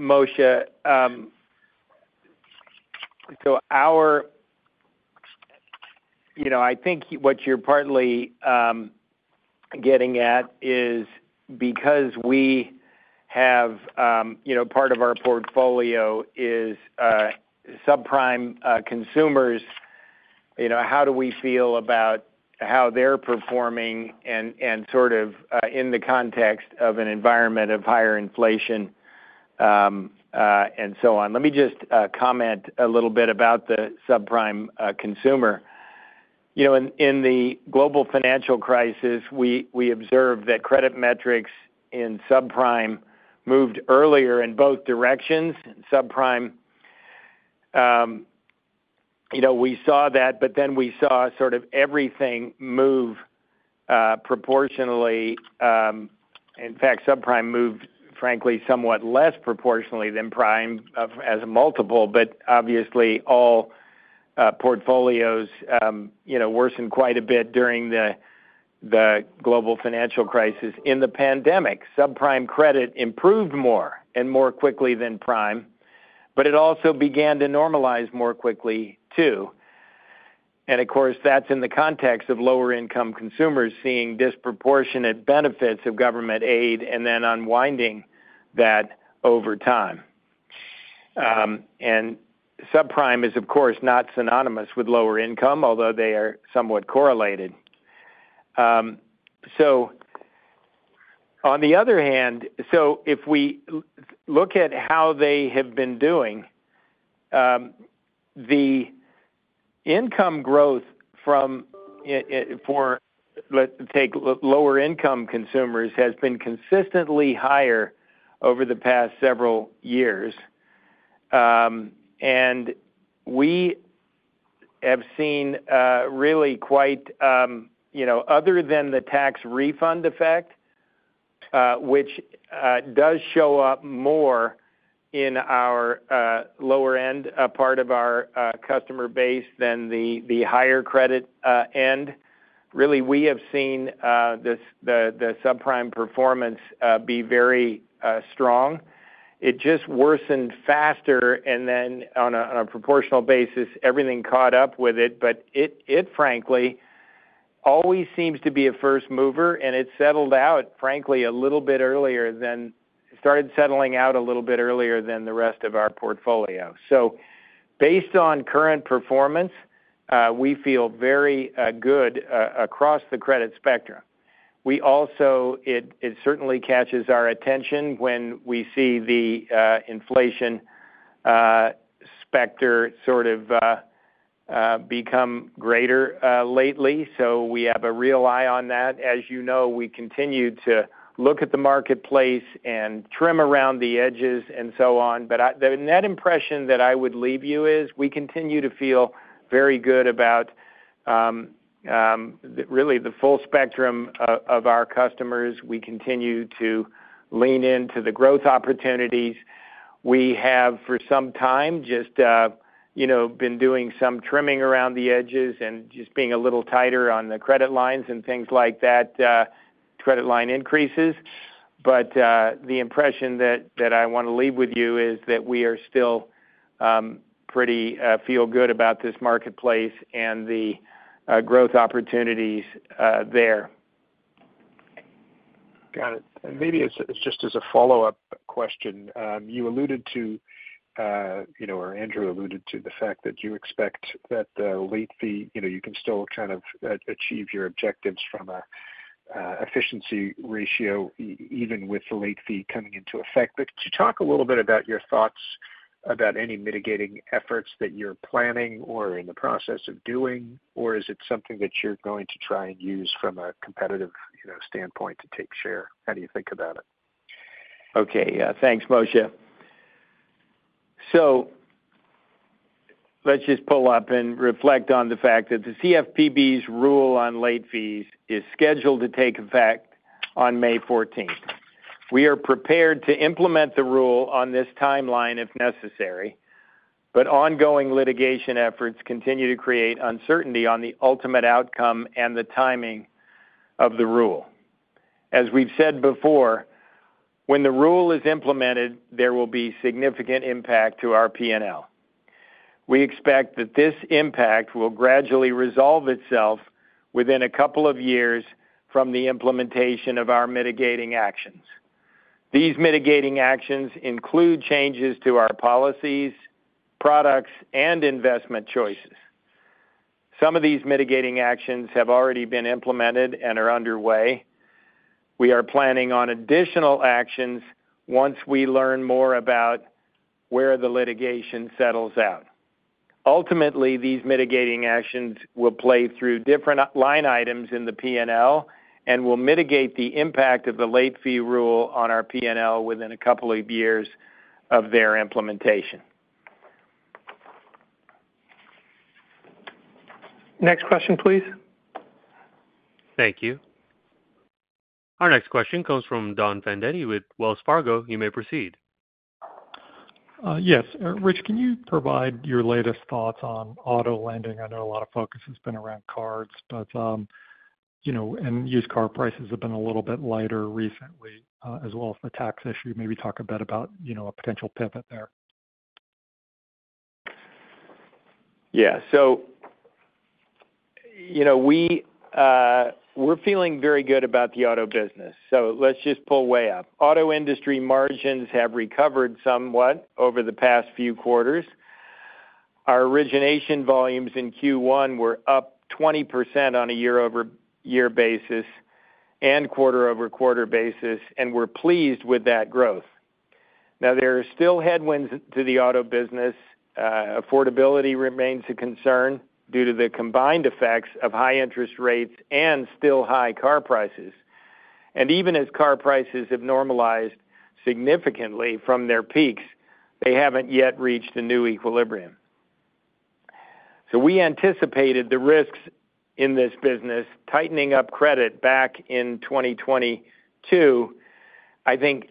S4: Moshe, so I think what you're partly getting at is because we have part of our portfolio is subprime consumers, how do we feel about how they're performing and sort of in the context of an environment of higher inflation and so on? Let me just comment a little bit about the subprime consumer. In the global financial crisis, we observed that credit metrics in subprime moved earlier in both directions. Subprime, we saw that, but then we saw sort of everything move proportionally. In fact, subprime moved, frankly, somewhat less proportionally than prime as a multiple. But obviously, all portfolios worsened quite a bit during the global financial crisis. In the pandemic, subprime credit improved more and more quickly than prime, but it also began to normalize more quickly, too. And of course, that's in the context of lower-income consumers seeing disproportionate benefits of government aid and then unwinding that over time. And subprime is, of course, not synonymous with lower income, although they are somewhat correlated. So on the other hand, if we look at how they have been doing, the income growth for, let's take, lower-income consumers has been consistently higher over the past several years. We have seen, really, quite other than the tax refund effect, which does show up more in our lower-end part of our customer base than the higher credit end, really, we have seen the subprime performance be very strong. It just worsened faster, and then on a proportional basis, everything caught up with it. But it, frankly, always seems to be a first mover, and it settled out, frankly, a little bit earlier than it started settling out a little bit earlier than the rest of our portfolio. So based on current performance, we feel very good across the credit spectrum. It certainly catches our attention when we see the inflation spectrum sort of become greater lately. So we have a real eye on that. As you know, we continue to look at the marketplace and trim around the edges and so on. But that impression that I would leave you is we continue to feel very good about really the full spectrum of our customers. We continue to lean into the growth opportunities. We have, for some time, just been doing some trimming around the edges and just being a little tighter on the credit lines and things like that, credit line increases. But the impression that I want to leave with you is that we are still feeling pretty good about this marketplace and the growth opportunities there.
S9: Got it. And maybe just as a follow-up question, you alluded to or Andrew alluded to the fact that you expect that the late fee, you can still kind of achieve your objectives from an efficiency ratio even with the late fee coming into effect. But could you talk a little bit about your thoughts about any mitigating efforts that you're planning or in the process of doing? Or is it something that you're going to try and use from a competitive standpoint to take share? How do you think about it?
S4: Okay. Thanks, Moshe. So let's just pull up and reflect on the fact that the CFPB's rule on late fees is scheduled to take effect on May 14. We are prepared to implement the rule on this timeline if necessary, but ongoing litigation efforts continue to create uncertainty on the ultimate outcome and the timing of the rule. As we've said before, when the rule is implemented, there will be significant impact to our P&L. We expect that this impact will gradually resolve itself within a couple of years from the implementation of our mitigating actions. These mitigating actions include changes to our policies, products, and investment choices. Some of these mitigating actions have already been implemented and are underway. We are planning on additional actions once we learn more about where the litigation settles out. Ultimately, these mitigating actions will play through different line items in the P&L and will mitigate the impact of the late fee rule on our P&L within a couple of years of their implementation.
S2: Next question, please.
S1: Thank you. Our next question comes from Don Fandetti with Wells Fargo. You may proceed.
S10: Yes. Rich, can you provide your latest thoughts on auto lending? I know a lot of focus has been around cards, but and used car prices have been a little bit lighter recently as well as the tax issue. Maybe talk a bit about a potential pivot there.
S4: Yeah. So we're feeling very good about the auto business. So let's just pull way up. Auto industry margins have recovered somewhat over the past few quarters. Our origination volumes in Q1 were up 20% on a year-over-year basis and quarter-over-quarter basis, and we're pleased with that growth. Now, there are still headwinds to the auto business. Affordability remains a concern due to the combined effects of high interest rates and still high car prices. And even as car prices have normalized significantly from their peaks, they haven't yet reached a new equilibrium. So we anticipated the risks in this business tightening up credit back in 2022, I think,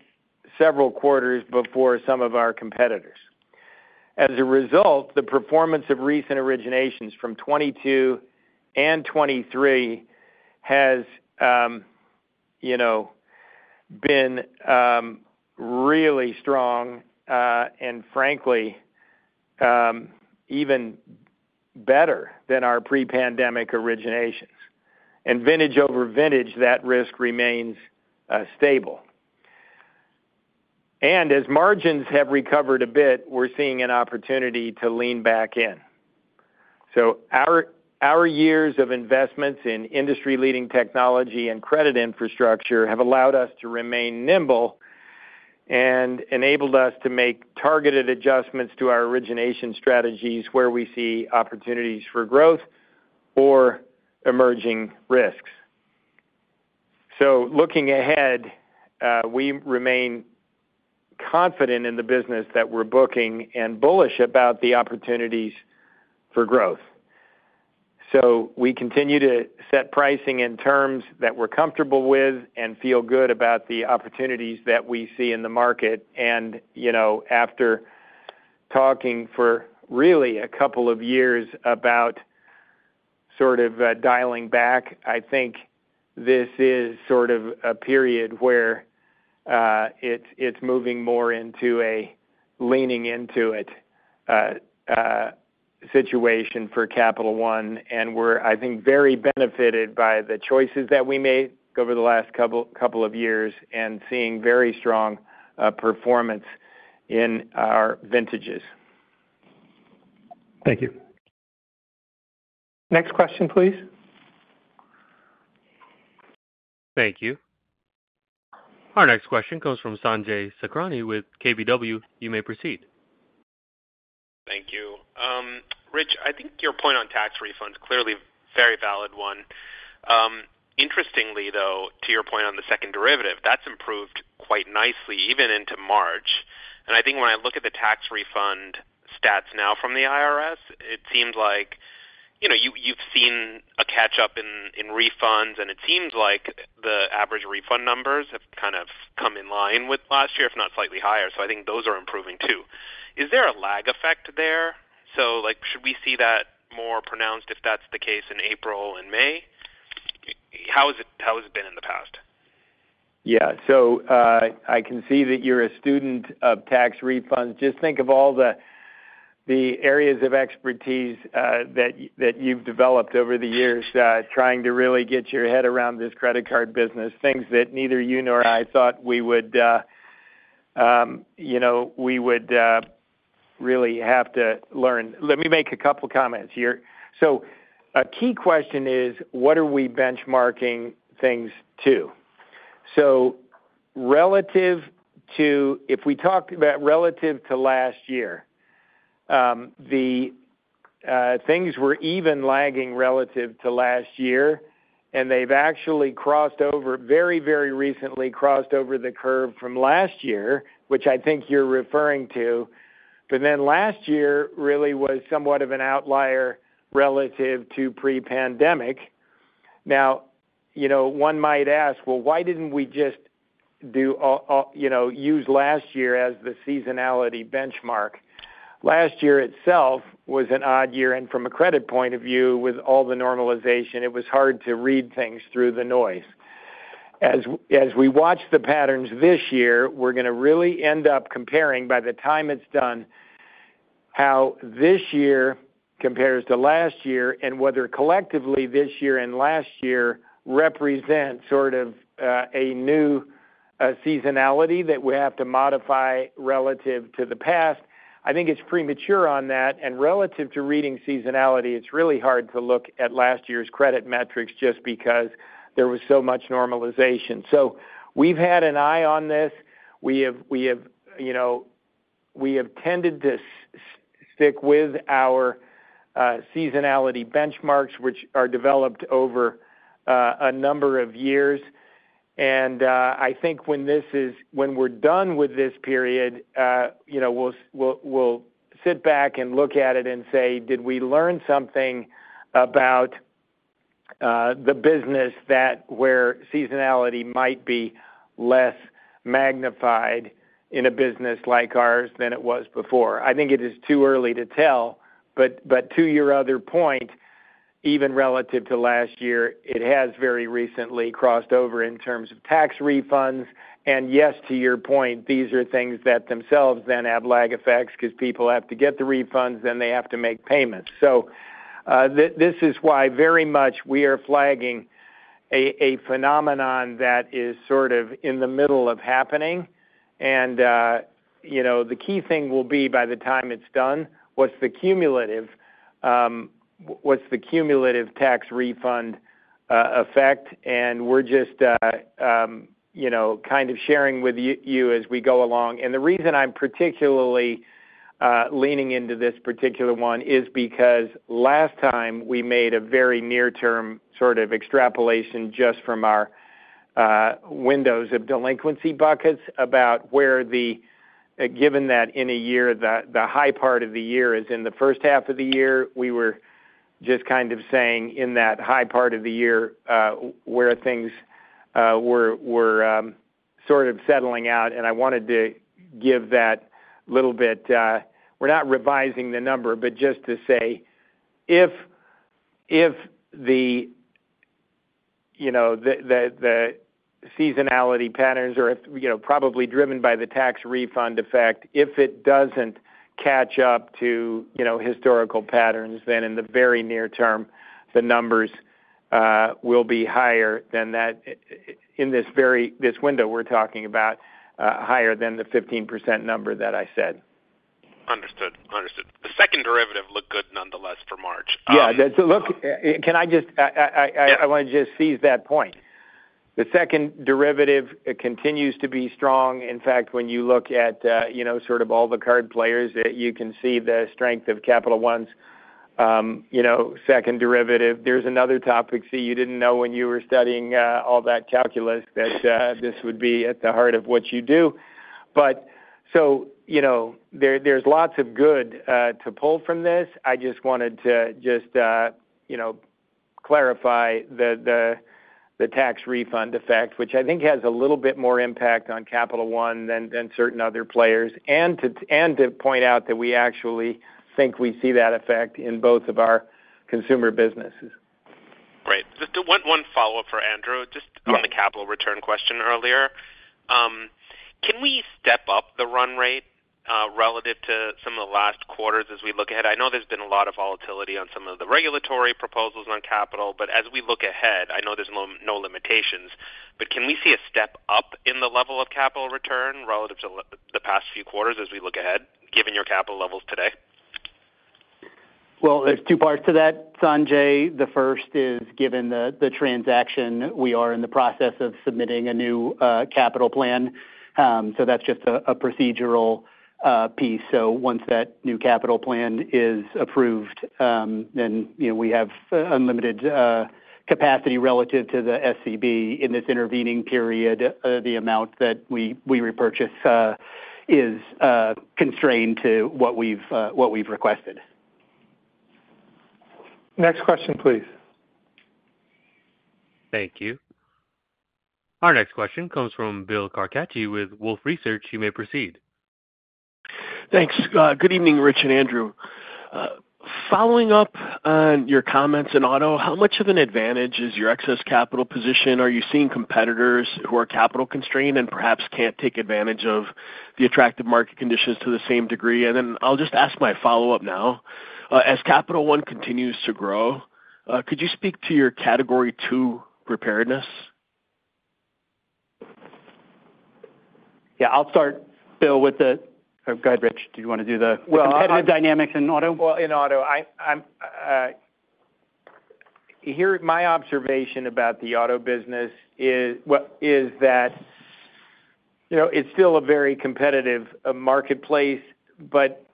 S4: several quarters before some of our competitors. As a result, the performance of recent originations from 2022 and 2023 has been really strong and, frankly, even better than our pre-pandemic originations. And vintage over vintage, that risk remains stable. As margins have recovered a bit, we're seeing an opportunity to lean back in. Our years of investments in industry-leading technology and credit infrastructure have allowed us to remain nimble and enabled us to make targeted adjustments to our origination strategies where we see opportunities for growth or emerging risks. Looking ahead, we remain confident in the business that we're booking and bullish about the opportunities for growth. We continue to set pricing in terms that we're comfortable with and feel good about the opportunities that we see in the market. After talking for really a couple of years about sort of dialing back, I think this is sort of a period where it's moving more into a leaning into it situation for Capital One. We're, I think, very benefited by the choices that we made over the last couple of years and seeing very strong performance in our vintages.
S10: Thank you.
S2: Next question, please.
S1: Thank you. Our next question comes from Sanjay Sakhrani with KBW. You may proceed.
S11: Thank you. Rich, I think your point on tax refund is clearly a very valid one. Interestingly, though, to your point on the second derivative, that's improved quite nicely even into March. And I think when I look at the tax refund stats now from the IRS, it seems like you've seen a catch-up in refunds, and it seems like the average refund numbers have kind of come in line with last year, if not slightly higher. So I think those are improving, too. Is there a lag effect there? So should we see that more pronounced if that's the case in April and May? How has it been in the past?
S4: Yeah. So I can see that you're a student of tax refunds. Just think of all the areas of expertise that you've developed over the years trying to really get your head around this credit card business, things that neither you nor I thought we would really have to learn. Let me make a couple of comments here. So a key question is, what are we benchmarking things to? So relative to if we talked about relative to last year, the things were even lagging relative to last year, and they've actually crossed over very, very recently crossed over the curve from last year, which I think you're referring to. But then last year really was somewhat of an outlier relative to pre-pandemic. Now, one might ask, well, why didn't we just use last year as the seasonality benchmark? Last year itself was an odd year. From a credit point of view, with all the normalization, it was hard to read things through the noise. As we watch the patterns this year, we're going to really end up comparing, by the time it's done, how this year compares to last year and whether collectively, this year and last year represent sort of a new seasonality that we have to modify relative to the past. I think it's premature on that. Relative to reading seasonality, it's really hard to look at last year's credit metrics just because there was so much normalization. We've had an eye on this. We have tended to stick with our seasonality benchmarks, which are developed over a number of years. I think when we're done with this period, we'll sit back and look at it and say, did we learn something about the business where seasonality might be less magnified in a business like ours than it was before? I think it is too early to tell. To your other point, even relative to last year, it has very recently crossed over in terms of tax refunds. Yes, to your point, these are things that themselves then have lag effects because people have to get the refunds, then they have to make payments. This is why very much we are flagging a phenomenon that is sort of in the middle of happening. The key thing will be, by the time it's done, what's the cumulative tax refund effect? And we're just kind of sharing with you as we go along. The reason I'm particularly leaning into this particular one is because last time, we made a very near-term sort of extrapolation just from our windows of delinquency buckets about where the—given that in a year, the high part of the year is in the first half of the year—we were just kind of saying in that high part of the year where things were sort of settling out. I wanted to give that little bit: we're not revising the number, but just to say if the seasonality patterns are probably driven by the tax refund effect, if it doesn't catch up to historical patterns, then in the very near term, the numbers will be higher than that in this window we're talking about, higher than the 15% number that I said.
S11: Understood. Understood. The second derivative looked good nonetheless for March.
S4: Yeah. Can I just seize that point. The second derivative continues to be strong. In fact, when you look at sort of all the card players, you can see the strength of Capital One's second derivative. There's another topic. See, you didn't know when you were studying all that calculus that this would be at the heart of what you do. But so there's lots of good to pull from this. I just wanted to just clarify the tax refund effect, which I think has a little bit more impact on Capital One than certain other players. And to point out that we actually think we see that effect in both of our consumer businesses.
S11: Great. Just one follow-up for Andrew, just on the capital return question earlier. Can we step up the run rate relative to some of the last quarters as we look ahead? I know there's been a lot of volatility on some of the regulatory proposals on capital. But as we look ahead, I know there's no limitations. But can we see a step up in the level of capital return relative to the past few quarters as we look ahead, given your capital levels today?
S3: Well, there's two parts to that, Sanjay. The first is given the transaction, we are in the process of submitting a new capital plan. So that's just a procedural piece. So once that new capital plan is approved, then we have unlimited capacity relative to the SCB in this intervening period. The amount that we repurchase is constrained to what we've requested.
S2: Next question, please.
S1: Thank you. Our next question comes from Bill Carcache with Wolfe Research. You may proceed.
S12: Thanks. Good evening, Rich and Andrew. Following up on your comments in auto, how much of an advantage is your excess capital position? Are you seeing competitors who are capital constrained and perhaps can't take advantage of the attractive market conditions to the same degree? And then I'll just ask my follow-up now. As Capital One continues to grow, could you speak to your Category II preparedness?
S3: Yeah. I'll start, Bill, with the go ahead, Rich. Did you want to do the competitive dynamics in auto?
S4: Well, in auto, my observation about the auto business is that it's still a very competitive marketplace. But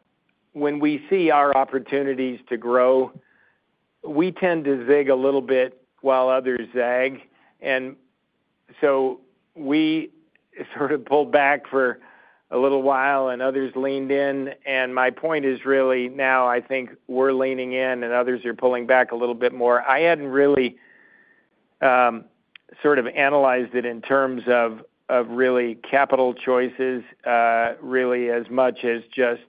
S4: when we see our opportunities to grow, we tend to zig a little bit while others zag. And so we sort of pulled back for a little while, and others leaned in. And my point is really now, I think we're leaning in, and others are pulling back a little bit more. I hadn't really sort of analyzed it in terms of really capital choices, really as much as just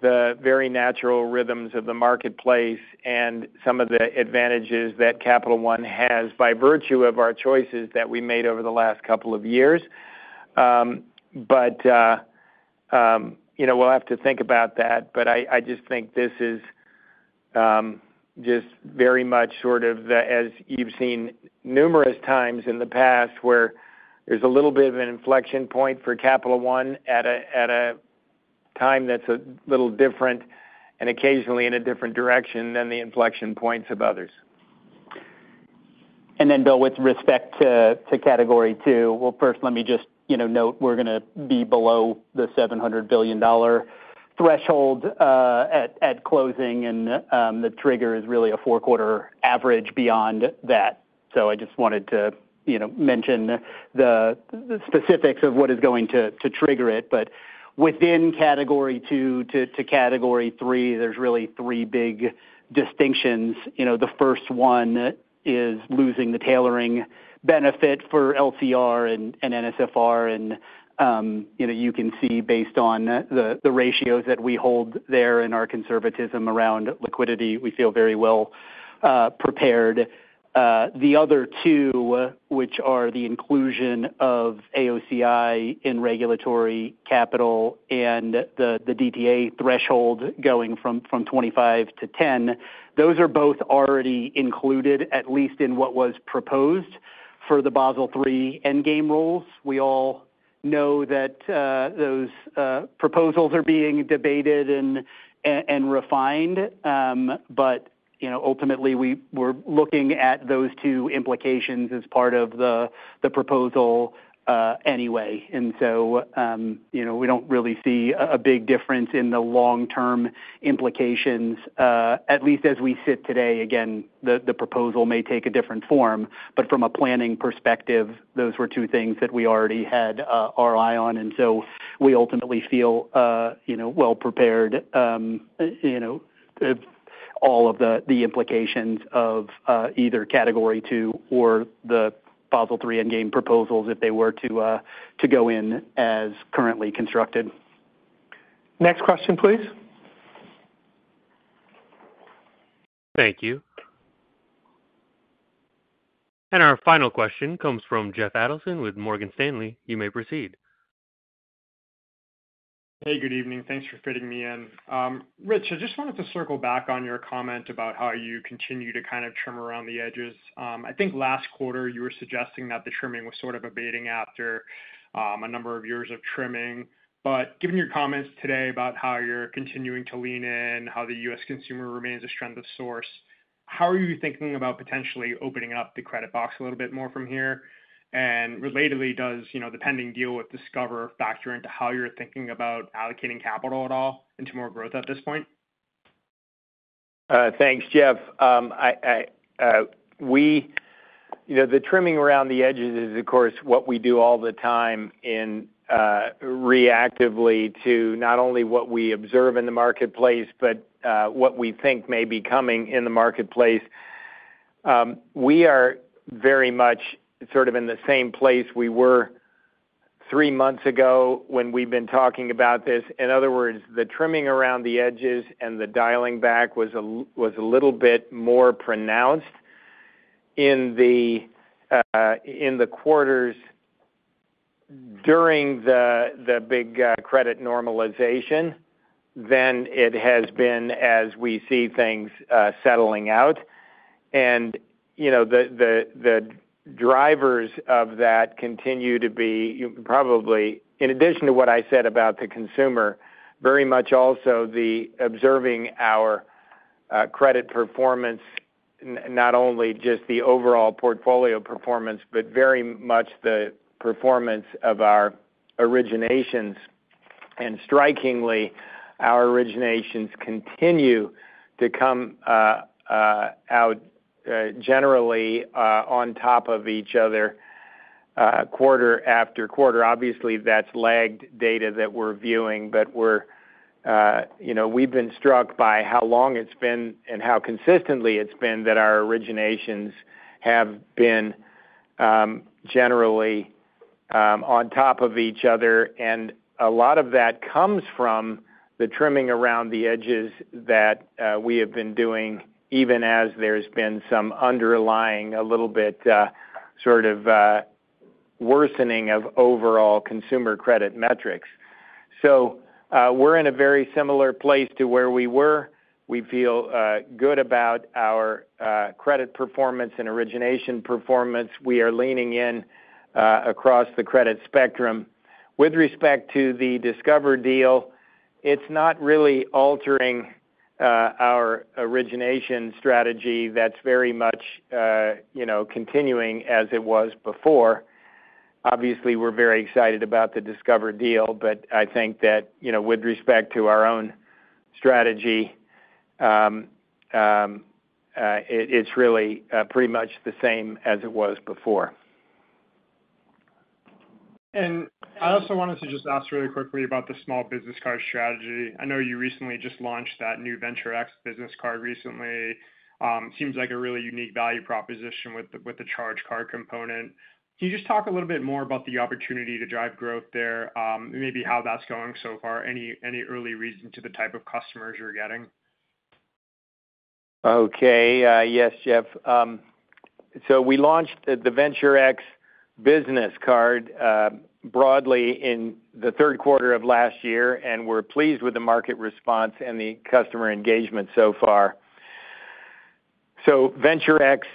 S4: the very natural rhythms of the marketplace and some of the advantages that Capital One has by virtue of our choices that we made over the last couple of years. But we'll have to think about that. But I just think this is just very much sort of as you've seen numerous times in the past where there's a little bit of an inflection point for Capital One at a time that's a little different and occasionally in a different direction than the inflection points of others.
S3: And then, Bill, with respect to Category II, well, first, let me just note we're going to be below the $700 billion threshold at closing. And the trigger is really a four-quarter average beyond that. So I just wanted to mention the specifics of what is going to trigger it. But within Category II to Category III, there's really three big distinctions. The first one is losing the tailoring benefit for LCR and NSFR. And you can see based on the ratios that we hold there in our conservatism around liquidity, we feel very well prepared. The other two, which are the inclusion of AOCI in regulatory capital and the DTA threshold going from 25-10, those are both already included, at least in what was proposed for the Basel III Endgame rules. We all know that those proposals are being debated and refined. But ultimately, we're looking at those two implications as part of the proposal anyway. And so we don't really see a big difference in the long-term implications, at least as we sit today. Again, the proposal may take a different form. But from a planning perspective, those were two things that we already had our eye on. And so we ultimately feel well prepared if all of the implications of either Category II or the Basel III Endgame proposals, if they were to go in as currently constructed.
S2: Next question, please.
S1: Thank you. Our final question comes from Jeff Adelson with Morgan Stanley. You may proceed.
S13: Hey, good evening. Thanks for fitting me in. Rich, I just wanted to circle back on your comment about how you continue to kind of trim around the edges. I think last quarter, you were suggesting that the trimming was sort of abating after a number of years of trimming. But given your comments today about how you're continuing to lean in, how the U.S. consumer remains a source of strength, how are you thinking about potentially opening up the credit box a little bit more from here? And relatedly, does the pending deal with Discover factor into how you're thinking about allocating capital at all into more growth at this point?
S4: Thanks, Jeff. The trimming around the edges is, of course, what we do all the time reactively to not only what we observe in the marketplace but what we think may be coming in the marketplace. We are very much sort of in the same place we were three months ago when we've been talking about this. In other words, the trimming around the edges and the dialing back was a little bit more pronounced in the quarters during the big credit normalization than it has been as we see things settling out. And the drivers of that continue to be probably, in addition to what I said about the consumer, very much also the observing our credit performance, not only just the overall portfolio performance but very much the performance of our originations. And strikingly, our originations continue to come out generally on top of each other quarter after quarter. Obviously, that's lagged data that we're viewing. But we've been struck by how long it's been and how consistently it's been that our originations have been generally on top of each other. A lot of that comes from the trimming around the edges that we have been doing even as there's been some underlying a little bit sort of worsening of overall consumer credit metrics. So we're in a very similar place to where we were. We feel good about our credit performance and origination performance. We are leaning in across the credit spectrum. With respect to the Discover deal, it's not really altering our origination strategy. That's very much continuing as it was before. Obviously, we're very excited about the Discover deal. But I think that with respect to our own strategy, it's really pretty much the same as it was before.
S13: And I also wanted to just ask really quickly about the small business card strategy. I know you recently just launched that new Venture X Business card recently. Seems like a really unique value proposition with the charge card component. Can you just talk a little bit more about the opportunity to drive growth there and maybe how that's going so far? Any early read on the type of customers you're getting?
S4: Okay. Yes, Jeff. We launched the Venture X Business card broadly in the third quarter of last year. We're pleased with the market response and the customer engagement so far. Venture X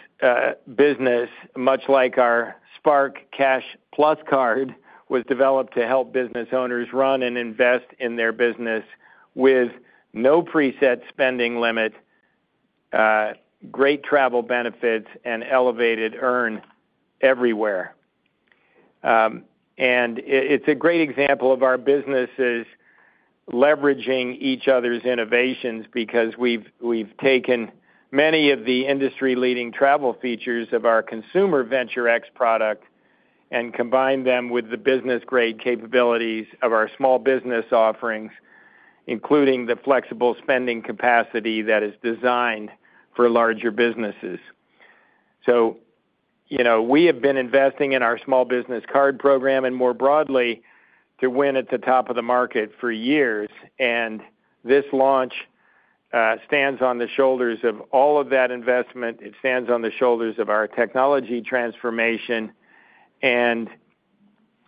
S4: Business, much like our Spark Cash Plus card, was developed to help business owners run and invest in their business with no preset spending limit, great travel benefits, and elevated earn everywhere. It's a great example of our businesses leveraging each other's innovations because we've taken many of the industry-leading travel features of our consumer Venture X product and combined them with the business-grade capabilities of our small business offerings, including the flexible spending capacity that is designed for larger businesses. So we have been investing in our small business card program and more broadly to win at the top of the market for years. And this launch stands on the shoulders of all of that investment. It stands on the shoulders of our technology transformation and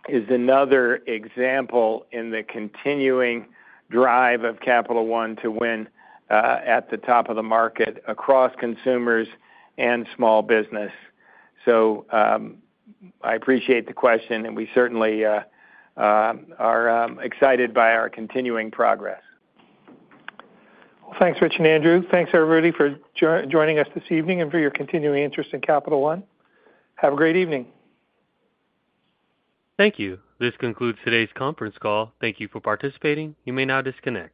S4: is another example in the continuing drive of Capital One to win at the top of the market across consumers and small business. So I appreciate the question. And we certainly are excited by our continuing progress.
S2: Well, thanks, Rich and Andrew. Thanks, everybody, for joining us this evening and for your continuing interest in Capital One. Have a great evening.
S1: Thank you. This concludes today's conference call. Thank you for participating. You may now disconnect.